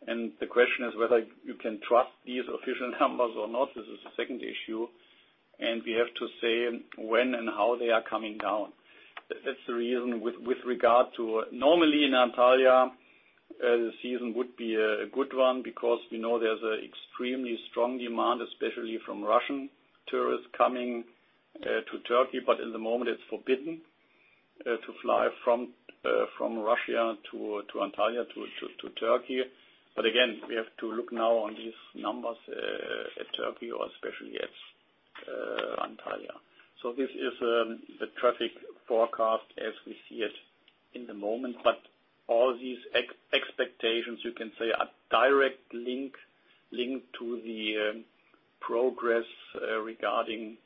C: and the question is whether you can trust these official numbers or not. This is the second issue. We have to say when and how they are coming down. That's the reason. Normally in Antalya, the season would be a good one because we know there's an extremely strong demand, especially from Russian tourists coming to Turkey. At the moment it's forbidden to fly from Russia to Antalya to Turkey. Again, we have to look now on these numbers at Turkey or especially at Antalya. This is the traffic forecast as we see it at the moment. All these expectations you can say are direct link to the progress regarding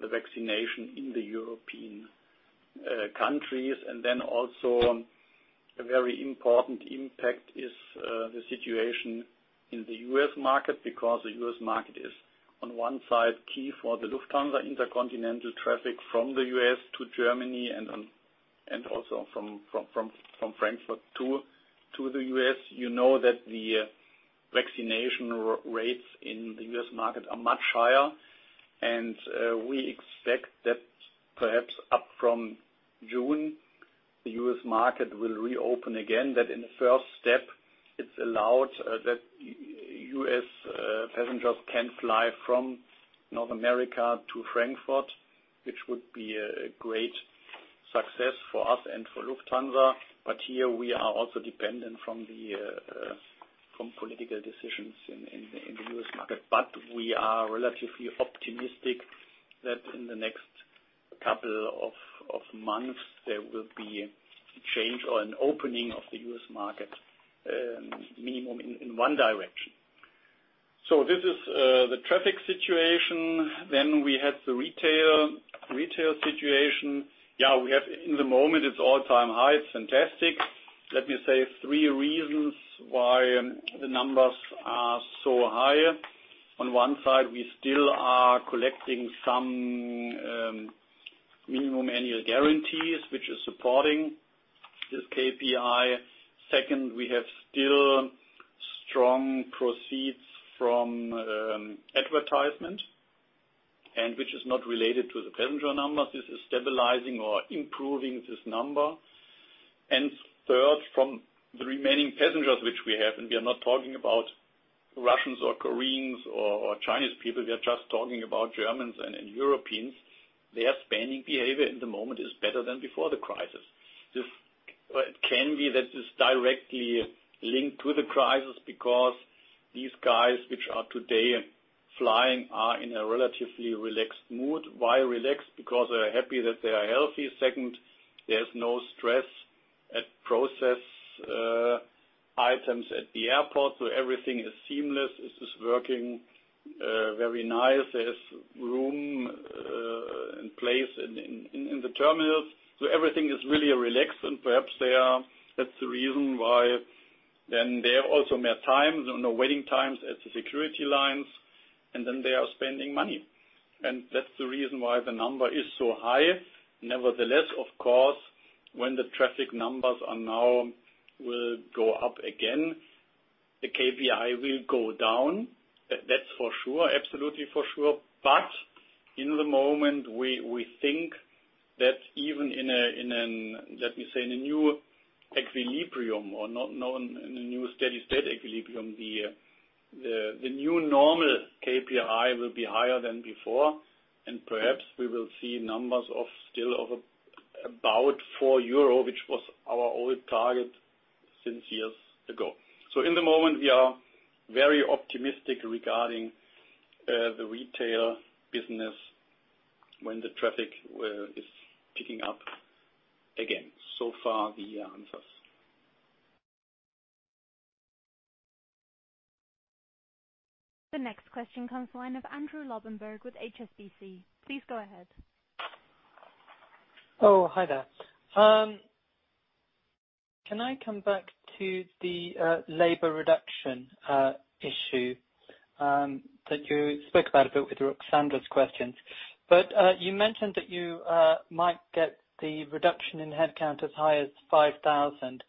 C: the vaccination in the European countries. Also a very important impact is the situation in the U.S. market, because the U.S. market is on one side key for the Lufthansa intercontinental traffic from the U.S. to Germany and also from Frankfurt to the U.S. You know that the vaccination rates in the U.S. market are much higher. We expect that perhaps up from June, the U.S. market will reopen again; that in the first step, it's allowed that U.S. passengers can fly from North America to Frankfurt, which would be a great success for us and for Lufthansa. Here we are also dependent from political decisions in the U.S. market. We are relatively optimistic that in the next couple of months there will be a change or an opening of the U.S. market, minimum in one direction. This is the traffic situation. We have the retail situation. In the moment it's all-time high. It's fantastic. Let me say three reasons why the numbers are so high. On one side, we still are collecting some minimum annual guarantees, which is supporting this KPI. Second, we have still strong proceeds from advertisement, and which is not related to the passenger numbers. This is stabilizing or improving this number. Third, from the remaining passengers which we have, and we are not talking about Russians or Koreans or Chinese people, we are just talking about Germans and Europeans, their spending behavior at the moment is better than before the crisis. It can be that this directly linked to the crisis because these guys which are today flying are in a relatively relaxed mood. Why relaxed? Because they are happy that they are healthy. Second, there's no stress at process items at the airport, so everything is seamless. It is working very nice. There's room and place in the terminals. Everything is really relaxed and perhaps that's the reason why then there are also more times, waiting times at the security lines. They are spending money. That's the reason why the number is so high. Nevertheless, of course, when the traffic numbers are now will go up again, the KPI will go down. That's for sure. Absolutely for sure. At the moment we think that even in a, let me say in a new equilibrium or in a new steady state equilibrium, the new normal KPI will be higher than before, and perhaps we will see numbers of still of about 4 euro, which was our old target since years ago. At the moment we are very optimistic regarding the retail business when the traffic is picking up again. So far the answers.
A: The next question comes to the line of Andrew Lobbenberg with HSBC. Please go ahead.
F: Oh, hi there. Can I come back to the labor reduction issue that you spoke about a bit with Ruxandra's questions? You mentioned that you might get the reduction in headcount as high as 5,000.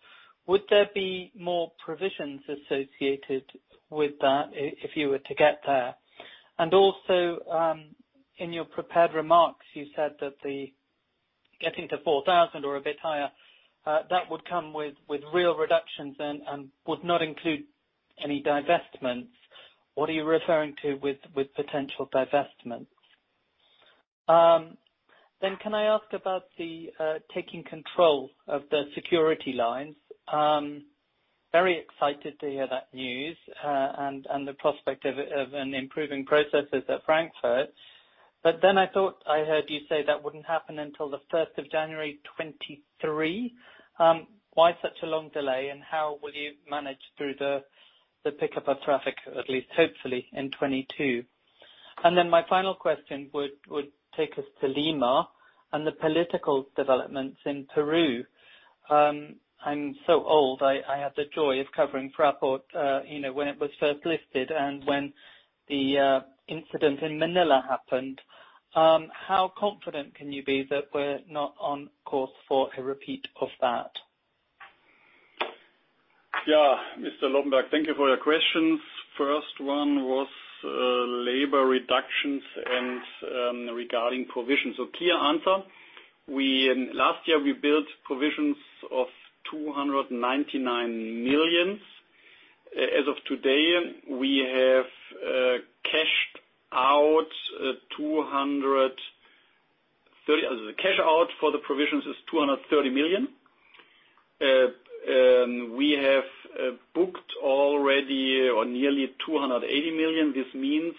F: Would there be more provisions associated with that if you were to get there? Also, in your prepared remarks, you said that getting to 4,000 or a bit higher, that would come with real reductions and would not include any divestments. What are you referring to with potential divestments? Can I ask about the taking control of the security lines? Very excited to hear that news, the prospect of an improving processes at Frankfurt. I thought I heard you say that wouldn't happen until the 1st of January 2023. Why such a long delay, and how will you manage through the pickup of traffic, at least hopefully, in 2022? My final question would take us to Lima and the political developments in Peru. I'm so old, I had the joy of covering Fraport when it was first listed and when the incident in Manila happened. How confident can you be that we're not on course for a repeat of that?
C: Mr. Lobbenberg, thank you for your questions. First one was labor reductions and regarding provisions. Clear answer. Last year, we built provisions of 299 million. As of today, we have cashed out for the provisions is 230 million. We have booked already or nearly 280 million. This means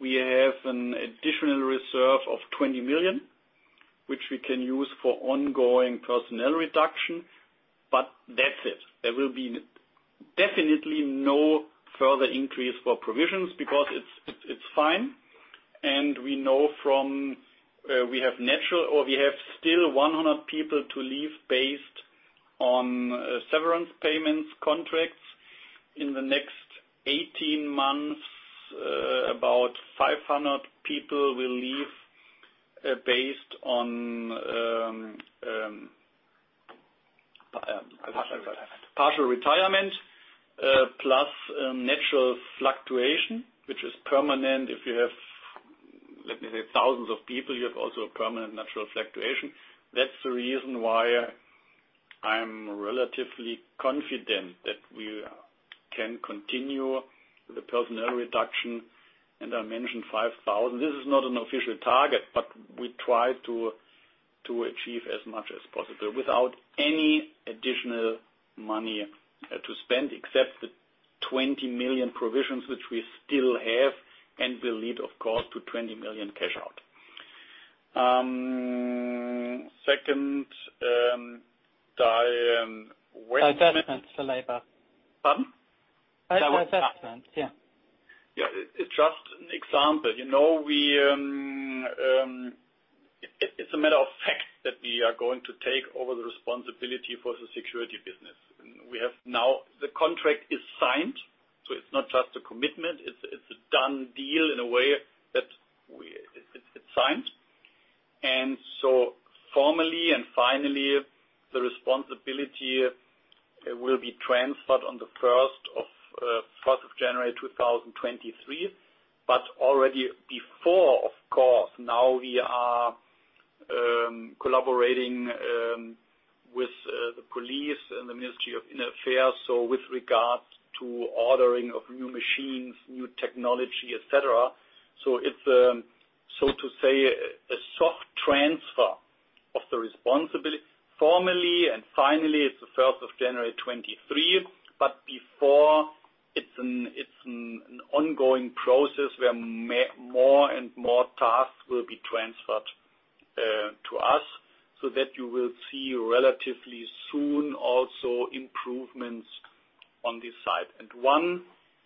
C: we have an additional reserve of 20 million, which we can use for ongoing personnel reduction, but that's it. There will be definitely no further increase for provisions because it's fine, and we know we have still 100 people to leave based on severance payments contracts. In the next 18 months, about 500 people will leave based on-
B: Partial retirement
C: partial retirement, plus natural fluctuation, which is permanent. If you have, let me say, thousands of people, you have also a permanent natural fluctuation. That's the reason why I'm relatively confident that we can continue the personnel reduction, and I mentioned 5,000. This is not an official target, but we try to achieve as much as possible without any additional money to spend except the 20 million provisions, which we still have and will lead, of course, to 20 million cash out. Second.
F: Assessments for labor.
C: Pardon?
F: Assessments. Yeah.
C: It's just an example. It's a matter of fact that we are going to take over the responsibility for the security business. The contract is signed, so it's not just a commitment, it's a done deal in a way that it's signed. Formally and finally, the responsibility will be transferred on the 1st of January 2023. Already before, of course, now we are collaborating with the police and the Ministry of Internal Affairs, so with regards to ordering of new machines, new technology, et cetera. It's, so to say, a soft transfer of the responsibility. Formally and finally, it's the 1st of January 2023, before, it's an ongoing process where more and more tasks will be transferred to us so that you will see relatively soon also improvements on this side. One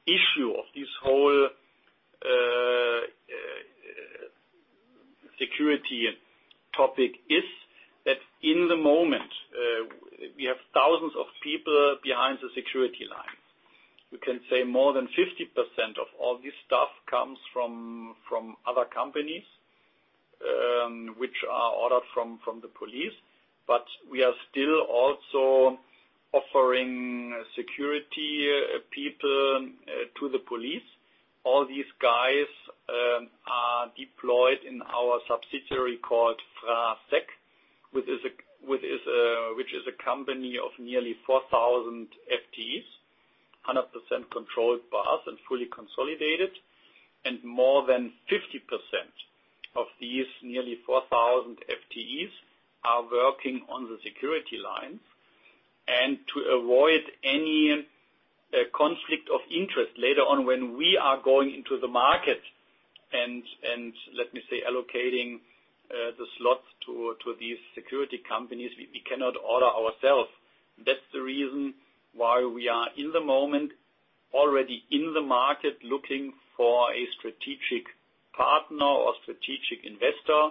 C: issue of this whole security topic is that in the moment, we have thousands of people behind the security line. We can say more than 50% of all this staff comes from other companies, which are ordered from the police, but we are still also offering security people to the police. All these guys are deployed in our subsidiary called FraSec, which is a company of nearly 4,000 FTEs, 100% controlled by us and fully consolidated, and more than 50% of these nearly 4,000 FTEs are working on the security lines. To avoid any conflict of interest later on when we are going into the market and, let me say, allocating the slots to these security companies, we cannot order ourself. That's the reason why we are, in the moment, already in the market looking for a strategic partner or strategic investor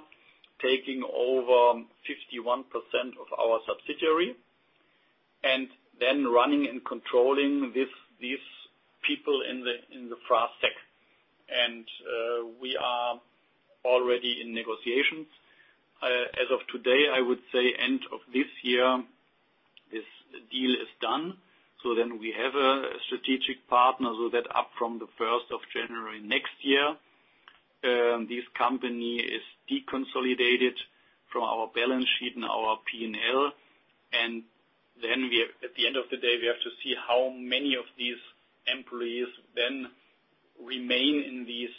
C: taking over 51% of our subsidiary, and then running and controlling these people in the FraSec. We are already in negotiations. As of today, I would say end of this year, this deal is done. We have a strategic partner so that up from the 1st of January next year, this company is deconsolidated from our balance sheet and our P&L. At the end of the day, we have to see how many of these employees then remain in this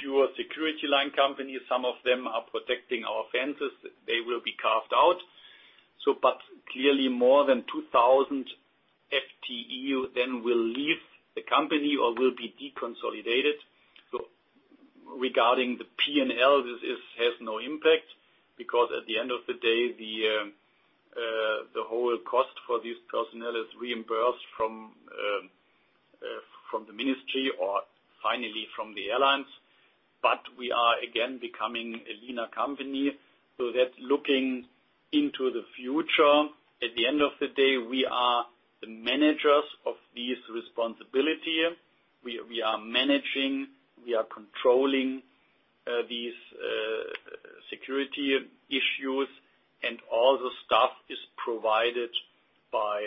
C: pure security line companies, some of them are protecting our fences. They will be carved out. Clearly more than 2,000 FTE then will leave the company or will be deconsolidated. Regarding the P&L, this has no impact because at the end of the day, the whole cost for this personnel is reimbursed from the ministry or finally from the airlines. We are again becoming a leaner company. That's looking into the future. At the end of the day, we are the managers of this responsibility. We are managing, we are controlling these security issues, and all the stuff is provided by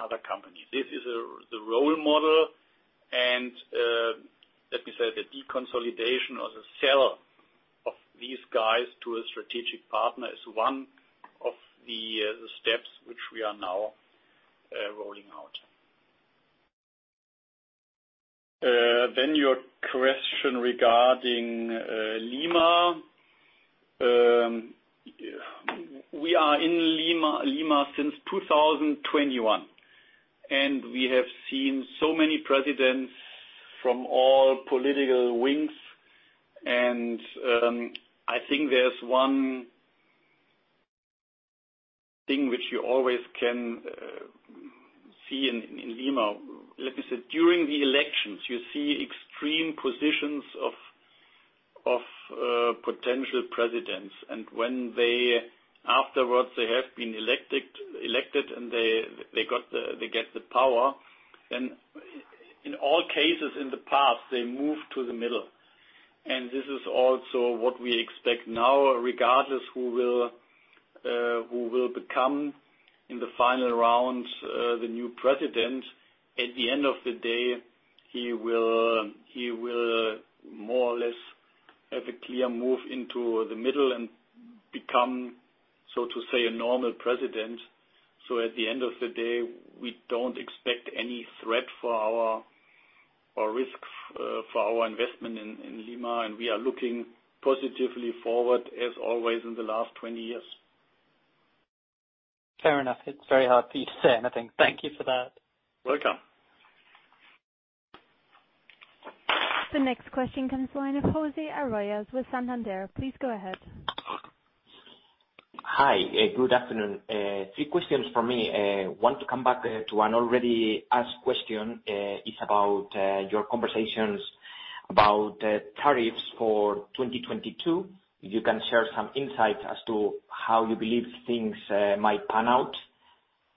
C: other companies. This is the role model and, let me say, the deconsolidation or the sale of these guys to a strategic partner is one of the steps which we are now rolling out. Your question regarding Lima. We are in Lima since 2021, and we have seen so many presidents from all political wings, and I think there's one thing which you always can see in Lima. Let me say, during the elections, you see extreme positions of potential presidents, and when they afterwards have been elected and they get the power, then in all cases in the past, they move to the middle. This is also what we expect now, regardless who will become, in the final round, the new president. At the end of the day, he will more or less have a clear move into the middle and become, so to say, a normal president. At the end of the day, we don't expect any threat or risk for our investment in Lima, and we are looking positively forward as always in the last 20 years.
F: Fair enough. It's very hard for you to say anything. Thank you for that.
C: Welcome.
A: The next question comes the line of Jose Arroyas with Santander. Please go ahead.
G: Hi. Good afternoon. Three questions from me. I want to come back to an already asked question. It's about your conversations about tariffs for 2022. If you can share some insights as to how you believe things might pan out.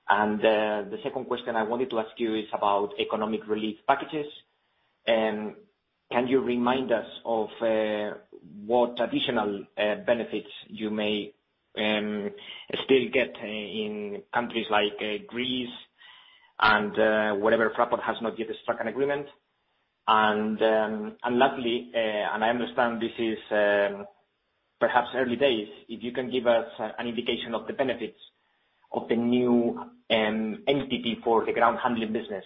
G: The second question I wanted to ask you is about economic relief packages. Can you remind us of what additional benefits you may still get in countries like Greece and wherever Fraport has not yet struck an agreement? Lastly, and I understand this is perhaps early days, if you can give us an indication of the benefits of the new MPP for the ground handling business.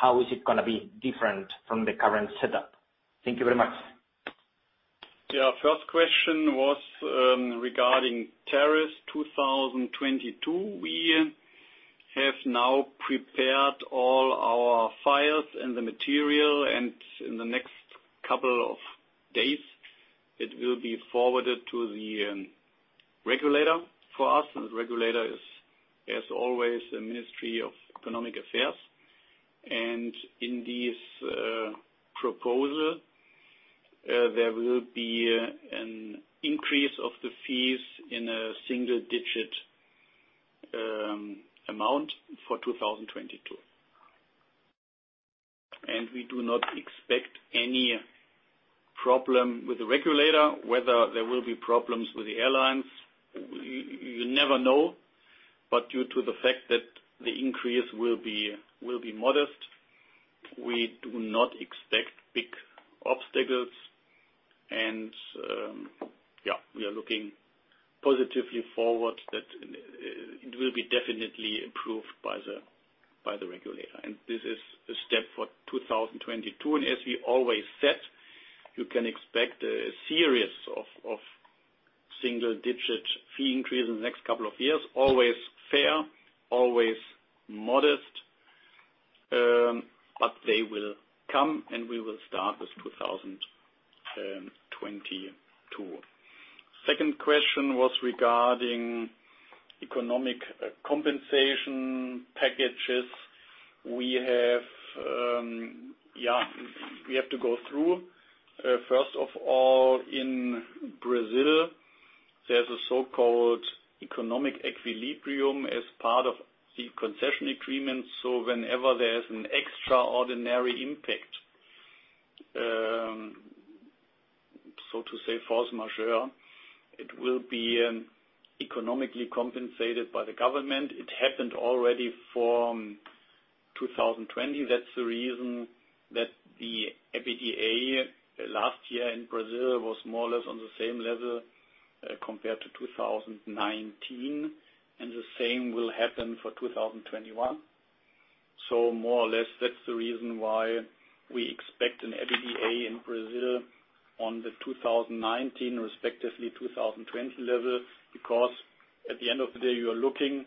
G: How is it going to be different from the current setup? Thank you very much.
C: Yeah. First question was regarding tariffs 2022. We have now prepared all our files and the material, and in the next couple of days, it will be forwarded to the regulator for us, and the regulator is as always, the Ministry of Economic Affairs. In this proposal, there will be an increase of the fees in a single-digit amount for 2022. We do not expect any problem with the regulator. Whether there will be problems with the airlines, you never know. Due to the fact that the increase will be modest, we do not expect big obstacles, and we are looking positively forward that it will be definitely approved by the regulator. This is a step for 2022, and as we always said, you can expect a series of single-digit fee increase in the next couple of years. Always fair, always modest, they will come, and we will start with 2022. Second question was regarding economic compensation packages. We have to go through, first of all, in Brazil, there's a so-called economic equilibrium as part of the concession agreement. Whenever there's an extraordinary impact, so to say, force majeure, it will be economically compensated by the government. It happened already from 2020. That's the reason that the EBITDA last year in Brazil was more or less on the same level compared to 2019, and the same will happen for 2021. More or less, that's the reason why we expect an EBITDA in Brazil on the 2019, respectively 2020 level. At the end of the day, you are looking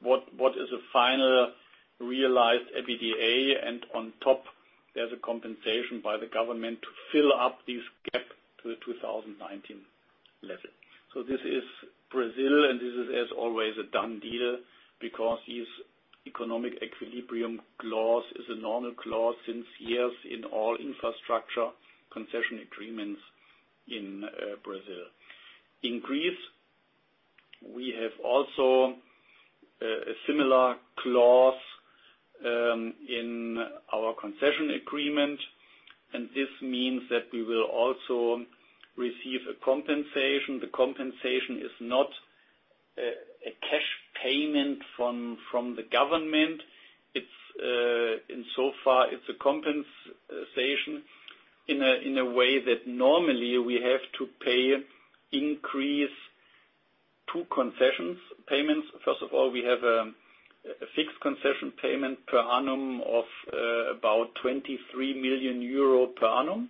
C: what is a final realized EBITDA, and on top, there's a compensation by the government to fill up this gap to the 2019 level. This is Brazil, and this is, as always, a done deal because this economic equilibrium clause is a normal clause since years in all infrastructure concession agreements in Brazil. In Greece, we have also a similar clause in our concession agreement, and this means that we will also receive a compensation. The compensation is not a cash payment from the government. Insofar, it's a compensation in a way that normally we have to pay two concessions payments. First of all, we have a fixed concession payment per annum of about 23 million euro per annum.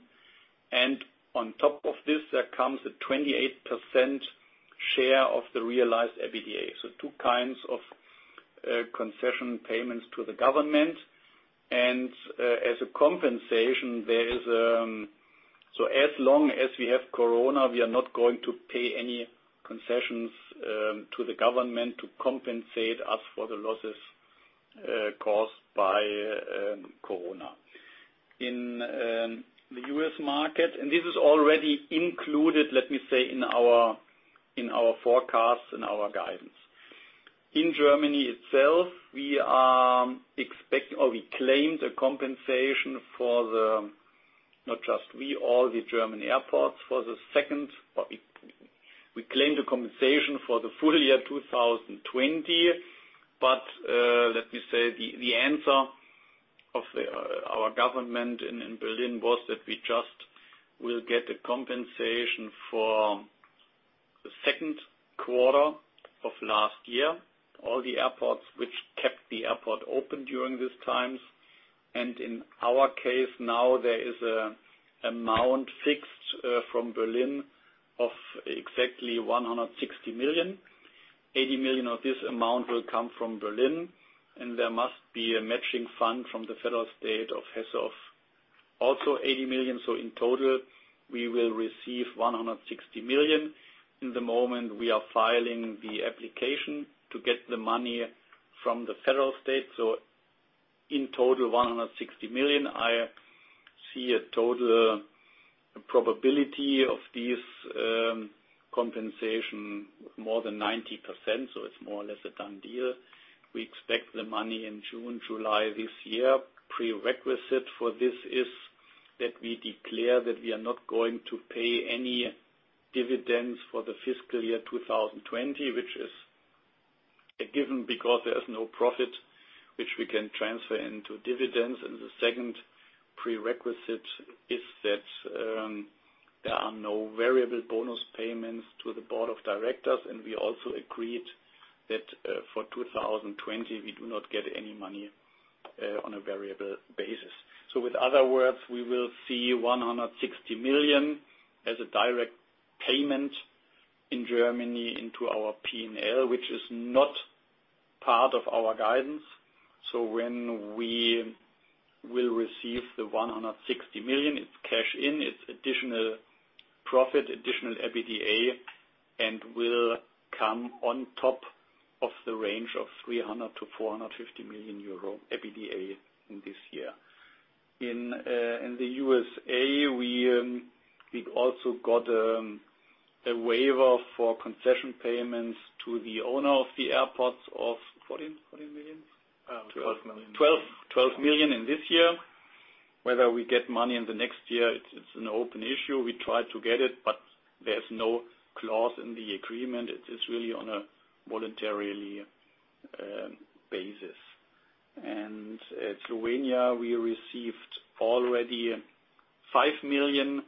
C: On top of this, there comes a 28% share of the realized EBITDA. Two kinds of concession payments to the government. As a compensation, so as long as we have COVID-19, we are not going to pay any concessions to the government to compensate us for the losses caused by COVID-19. In the U.S. market, this is already included, let me say, in our forecasts and our guidance. In Germany itself, we claimed a compensation for the, not just we, all the German airports. We claimed a compensation for the full year 2020. Let me say, the answer of our government in Berlin was that we just will get a compensation for the second quarter of last year. All the airports which kept the airport open during these times. In our case now, there is an amount fixed from Berlin of exactly 160 million. 80 million of this amount will come from Berlin, and there must be a matching fund from the federal state of Hesse of also 80 million. In total, we will receive 160 million. In the moment, we are filing the application to get the money from the federal state. In total, 160 million. I see a total probability of this compensation more than 90%, so it's more or less a done deal. We expect the money in June, July this year. Prerequisite for this is that we declare that we are not going to pay any dividends for the fiscal year 2020, which is a given because there is no profit which we can transfer into dividends. The second prerequisite is that there are no variable bonus payments to the board of directors. We also agreed that for 2020, we do not get any money on a variable basis. With other words, we will see 160 million as a direct payment in Germany into our P&L, which is not part of our guidance. When we will receive the 160 million, it's cash in, it's additional profit, additional EBITDA, and will come on top of the range of 300 million-450 million euro EBITDA in this year. In the USA, we also got a waiver for concession payments to the owner of the airports of 40 million?
B: 12 million.
C: 12 million in this year. Whether we get money in the next year, it's an open issue. We try to get it, but there's no clause in the agreement. It is really on a voluntary basis. At Slovenia, we received already 5 million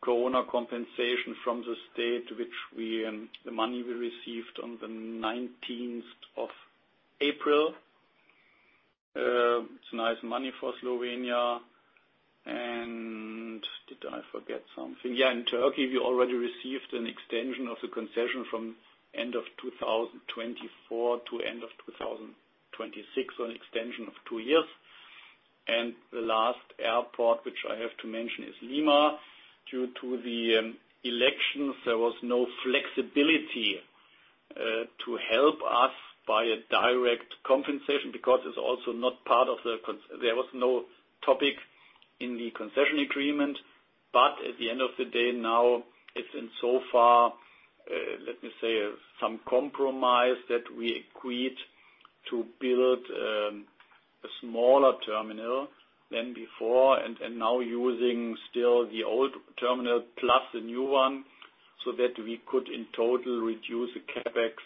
C: Corona compensation from the state, the money we received on the 19th of April. It's nice money for Slovenia. Did I forget something? Yeah, in Turkey, we already received an extension of the concession from end of 2024 to end of 2026, or an extension of two years. The last airport, which I have to mention, is Lima. Due to the elections, there was no flexibility to help us by a direct compensation because there was no topic in the concession agreement. At the end of the day now, it's in so far, let me say, some compromise that we agreed to build a smaller terminal than before and now using still the old terminal plus the new one so that we could in total reduce the CapEx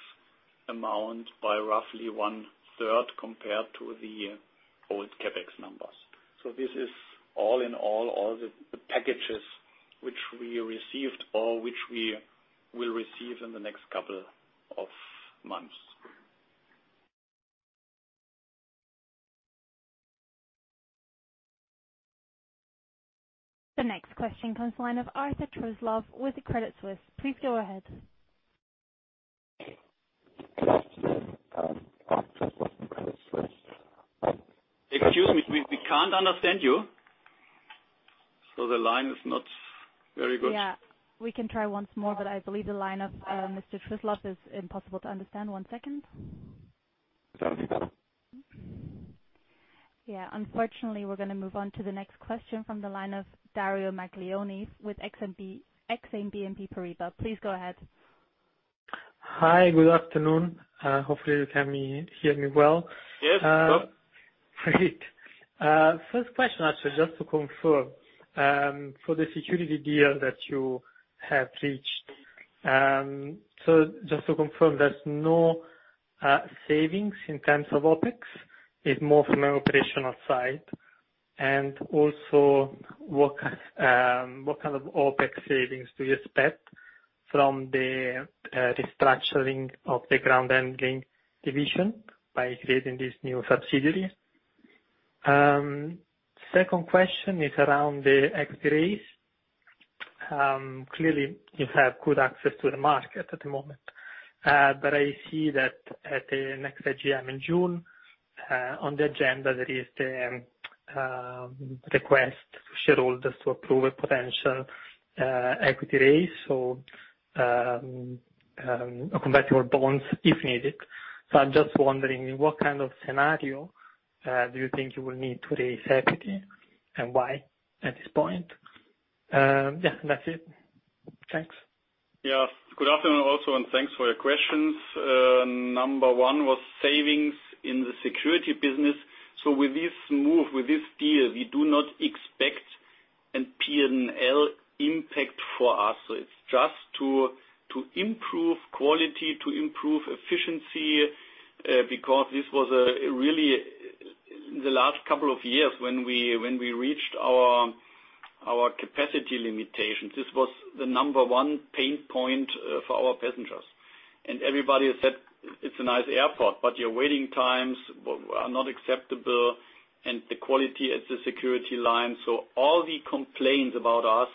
C: amount by roughly one-third compared to the old CapEx. This is all in all the packages which we received or which we will receive in the next couple of months.
A: The next question comes from the line of Arthur Truslove with Credit Suisse. Please go ahead.
C: Excuse me, we can't understand you. The line is not very good.
A: Yeah. We can try once more, but I believe the line of Mr. Truslove is impossible to understand. One second.
H: Sound any better?
A: Yeah, unfortunately, we're going to move on to the next question from the line of Dario Maglione with Exane BNP Paribas. Please go ahead.
I: Hi. Good afternoon. Hopefully, you can hear me well.
C: Yes, go on.
I: Great. First question, actually, just to confirm. For the security deal that you have reached, just to confirm, there's no savings in terms of OpEx? It's more from an operational side. What kind of OpEx savings do you expect from the restructuring of the ground handling division by creating this new subsidiary? Second question is around the equity raise. Clearly, you have good access to the market at the moment. I see that at the next AGM in June, on the agenda there is the request for shareholders to approve a potential equity raise or convertible bonds if needed. I'm just wondering, in what kind of scenario do you think you will need to raise equity and why at this point? That's it. Thanks.
C: Good afternoon also, thanks for your questions. Number one was savings in the security business. With this move, with this deal, we do not expect a P&L impact for us. It's just to improve quality, to improve efficiency, because this was the last couple of years, when we reached our capacity limitations, this was the number one pain point for our passengers. Everybody said, "It's a nice airport, but your waiting times are not acceptable and the quality at the security line." All the complaints about us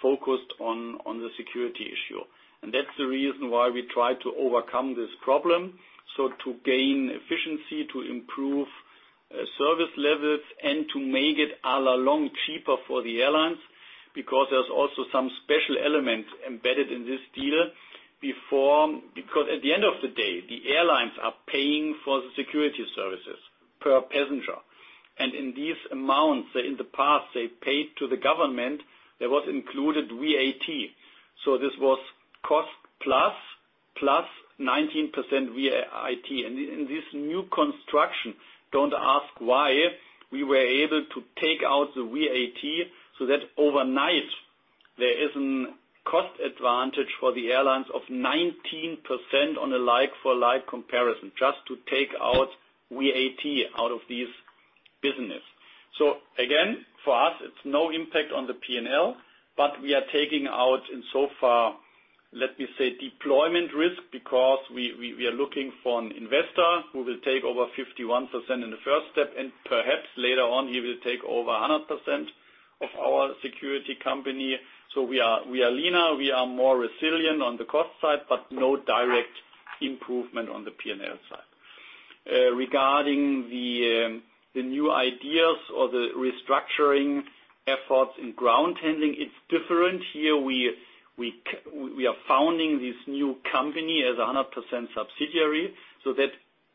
C: focused on the security issue. That's the reason why we tried to overcome this problem. To gain efficiency, to improve service levels, and to make it all along cheaper for the airlines, because there's also some special elements embedded in this deal. At the end of the day, the airlines are paying for the security services per passenger. In these amounts, in the past, they paid to the government, there was included VAT. This was cost plus 19% VAT. In this new construction, don't ask why, we were able to take out the VAT, so that overnight there is a cost advantage for the airlines of 19% on a like for like comparison, just to take out VAT out of this business. Again, for us, it's no impact on the P&L, but we are taking out in so far, let me say, deployment risk because we are looking for an investor who will take over 51% in the first step, and perhaps later on he will take over 100% of our security company. We are leaner, we are more resilient on the cost side, but no direct improvement on the P&L side. Regarding the new ideas or the restructuring efforts in ground handling, it's different. Here we are founding this new company as a 100% subsidiary, so that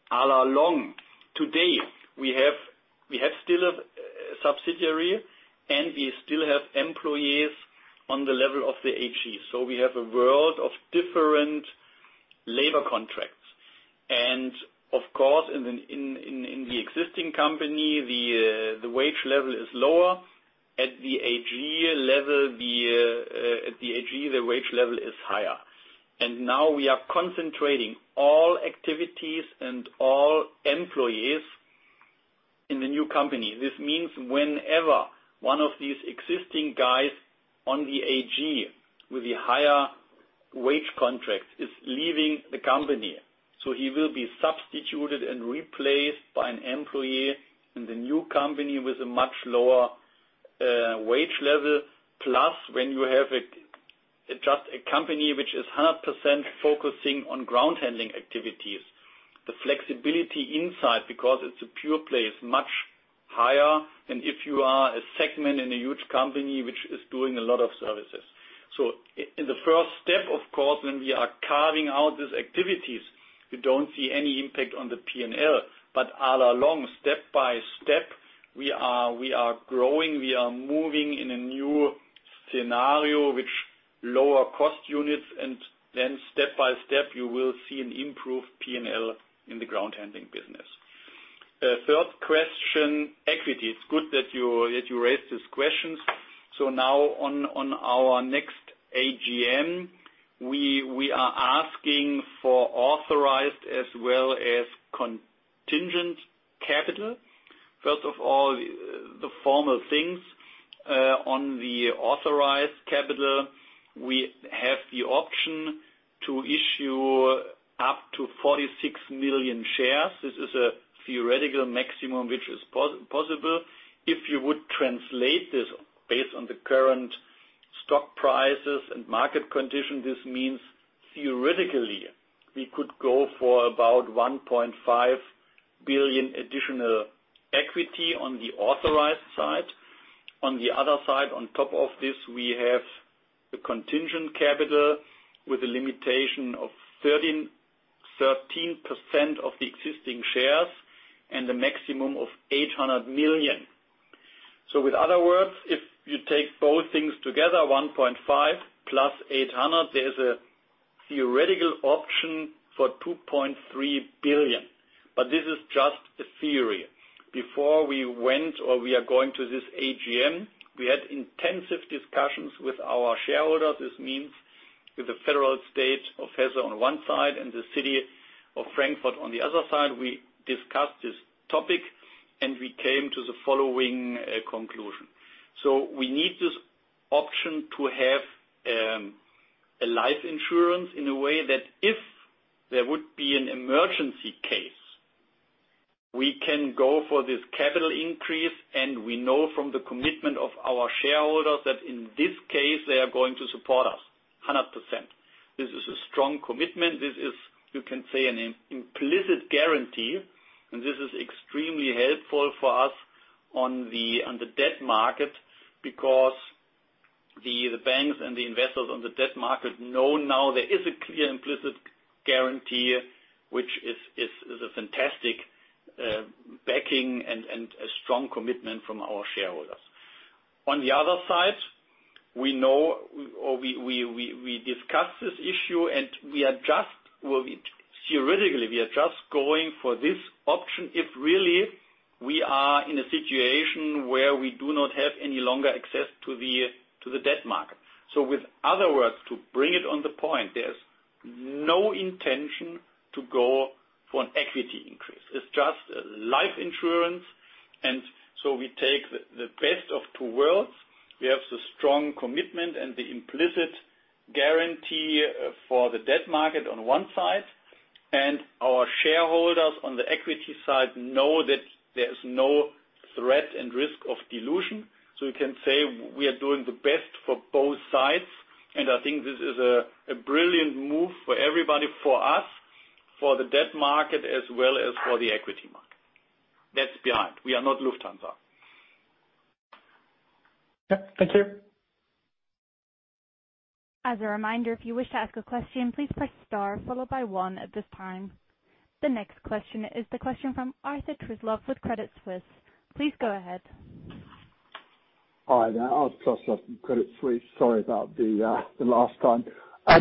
C: all along today, we have still a subsidiary and we still have employees on the level of the AG. We have a world of different labor contracts. Of course, in the existing company, the wage level is lower. At the AG, the wage level is higher. Now we are concentrating all activities and all employees in the new company. This means whenever one of these existing guys on the AG with a higher wage contract is leaving the company, so he will be substituted and replaced by an employee in the new company with a much lower wage level. When you have just a company which is 100% focusing on ground handling activities, the flexibility inside, because it's a pure play, is much higher than if you are a segment in a huge company which is doing a lot of services. All along, step by step, we are growing, we are moving in a new scenario, which lower cost units, step by step, you will see an improved P&L in the ground handling business. Third question, equity. It's good that you raised this question. Now on our next AGM, we are asking for authorized as well as contingent capital. The formal things, on the authorized capital, we have the option to issue up to 46 million shares. This is a theoretical maximum, which is possible. If you would translate this based on the current stock prices and market condition, this means theoretically we could go for about 1.5 billion additional equity on the authorized side. On the other side, on top of this, we have the contingent capital with a limitation of 13% of the existing shares and a maximum of 800 million. With other words, if you take both things together, 1.5 plus 800, there is a theoretical option for 2.3 billion. This is just a theory. Before we went or we are going to this AGM, we had intensive discussions with our shareholders. This means with the federal state of Hesse on one side and the city of Frankfurt on the other side. We discussed this topic and we came to the following conclusion. We need this option to have a life insurance in a way that if there would be an emergency case, we can go for this capital increase. We know from the commitment of our shareholders that in this case, they are going to support us 100%. This is a strong commitment. This is, you can say, an implicit guarantee, and this is extremely helpful for us on the debt market because the banks and the investors on the debt market know now there is a clear implicit guarantee, which is a fantastic backing and a strong commitment from our shareholders. On the other side, we know or we discussed this issue, and theoretically, we are just going for this option if really we are in a situation where we do not have any longer access to the debt market. With other words, to bring it on the point, there is no intention to go for an equity increase. It is just life insurance. We take the best of two worlds. We have the strong commitment and the implicit guarantee for the debt market on one side, and our shareholders on the equity side know that there is no threat and risk of dilution. We can say we are doing the best for both sides, and I think this is a brilliant move for everybody, for us, for the debt market, as well as for the equity market. That is behind. We are not Lufthansa.
I: Yep, thank you.
A: As a reminder, if you wish to ask a question, please press star followed by one at this time. The next question is the question from Arthur Truslove with Credit Suisse. Please go ahead.
H: Hi there, Arthur Truslove from Credit Suisse. Sorry about the last time. I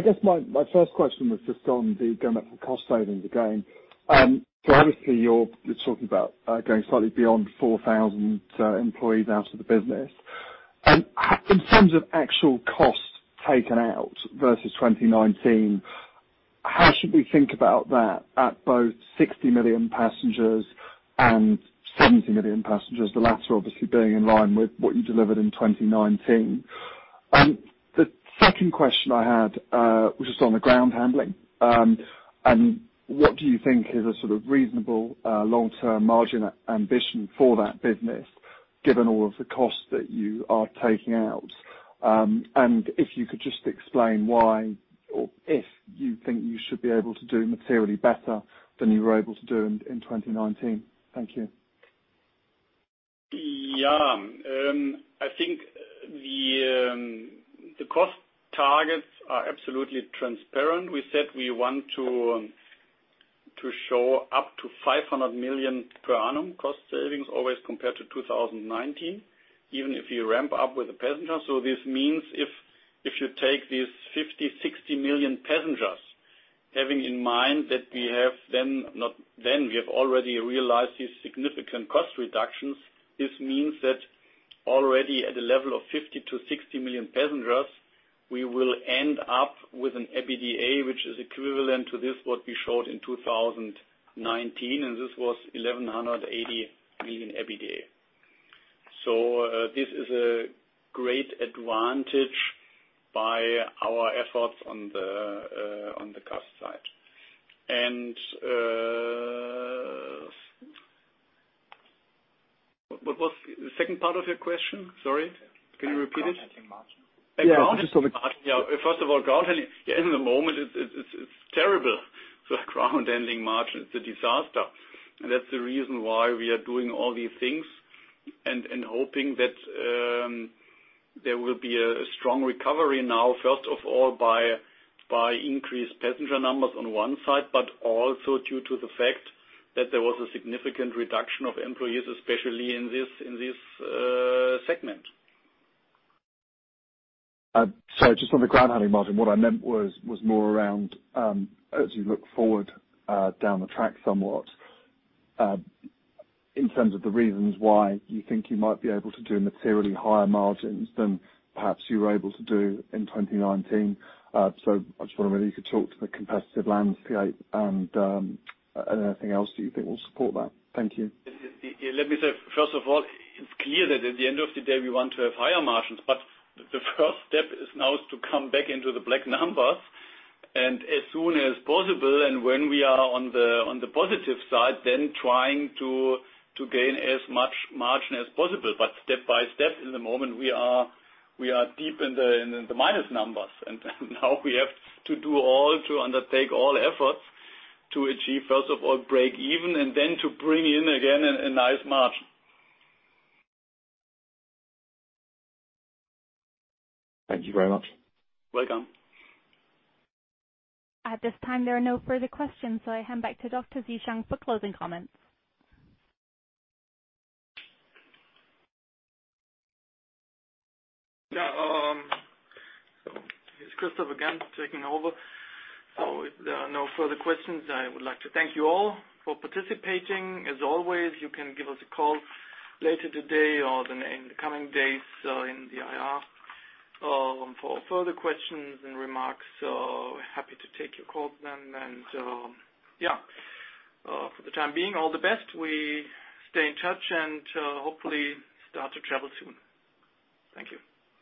H: guess my first question was just on the going back to cost savings again. Obviously you're talking about going slightly beyond 4,000 employees out of the business. In terms of actual costs taken out versus 2019, how should we think about that at both 60 million passengers and 70 million passengers, the latter obviously being in line with what you delivered in 2019? The second question I had was just on the ground handling. What do you think is a sort of reasonable long-term margin ambition for that business given all of the costs that you are taking out? If you could just explain why or if you think you should be able to do materially better than you were able to do in 2019. Thank you.
C: I think the cost targets are absolutely transparent. We said we want to show up to 500 million per annum cost savings always compared to 2019, even if you ramp up with the passengers. This means if you take these 50, 60 million passengers, having in mind that we have already realized these significant cost reductions. This means that already at the level of 50 to 60 million passengers, we will end up with an EBITDA, which is equivalent to this, what we showed in 2019, and this was 1,180 million EBITDA. This is a great advantage by our efforts on the cost side. What was the second part of your question? Sorry. Can you repeat it?
H: Ground handling margin.
C: Ground handling margin.
H: Yeah.
C: First of all, ground handling. Yeah, in the moment, it's terrible. Ground handling margin, it's a disaster. That's the reason why we are doing all these things and hoping that there will be a strong recovery now, first of all, by increased passenger numbers on one side, but also due to the fact that there was a significant reduction of employees, especially in this segment.
H: Sorry, just on the ground handling margin, what I meant was more around as you look forward down the track somewhat, in terms of the reasons why you think you might be able to do materially higher margins than perhaps you were able to do in 2019. I just wonder whether you could talk to the competitive landscape and anything else that you think will support that. Thank you.
C: Let me say, first of all, it's clear that at the end of the day, we want to have higher margins. The first step is now to come back into the black numbers, as soon as possible. When we are on the positive side, trying to gain as much margin as possible. Step by step, in the moment, we are deep in the minus numbers. Now we have to undertake all efforts to achieve, first of all, break even, then to bring in again a nice margin.
H: Thank you very much.
C: Welcome.
A: At this time, there are no further questions, so I hand back to Dr. Zieschang for closing comments.
B: It's Christoph again taking over. If there are no further questions, I would like to thank you all for participating. As always, you can give us a call later today or in the coming days in the IR for further questions and remarks. Happy to take your calls then. For the time being, all the best. We stay in touch and hopefully start to travel soon. Thank you.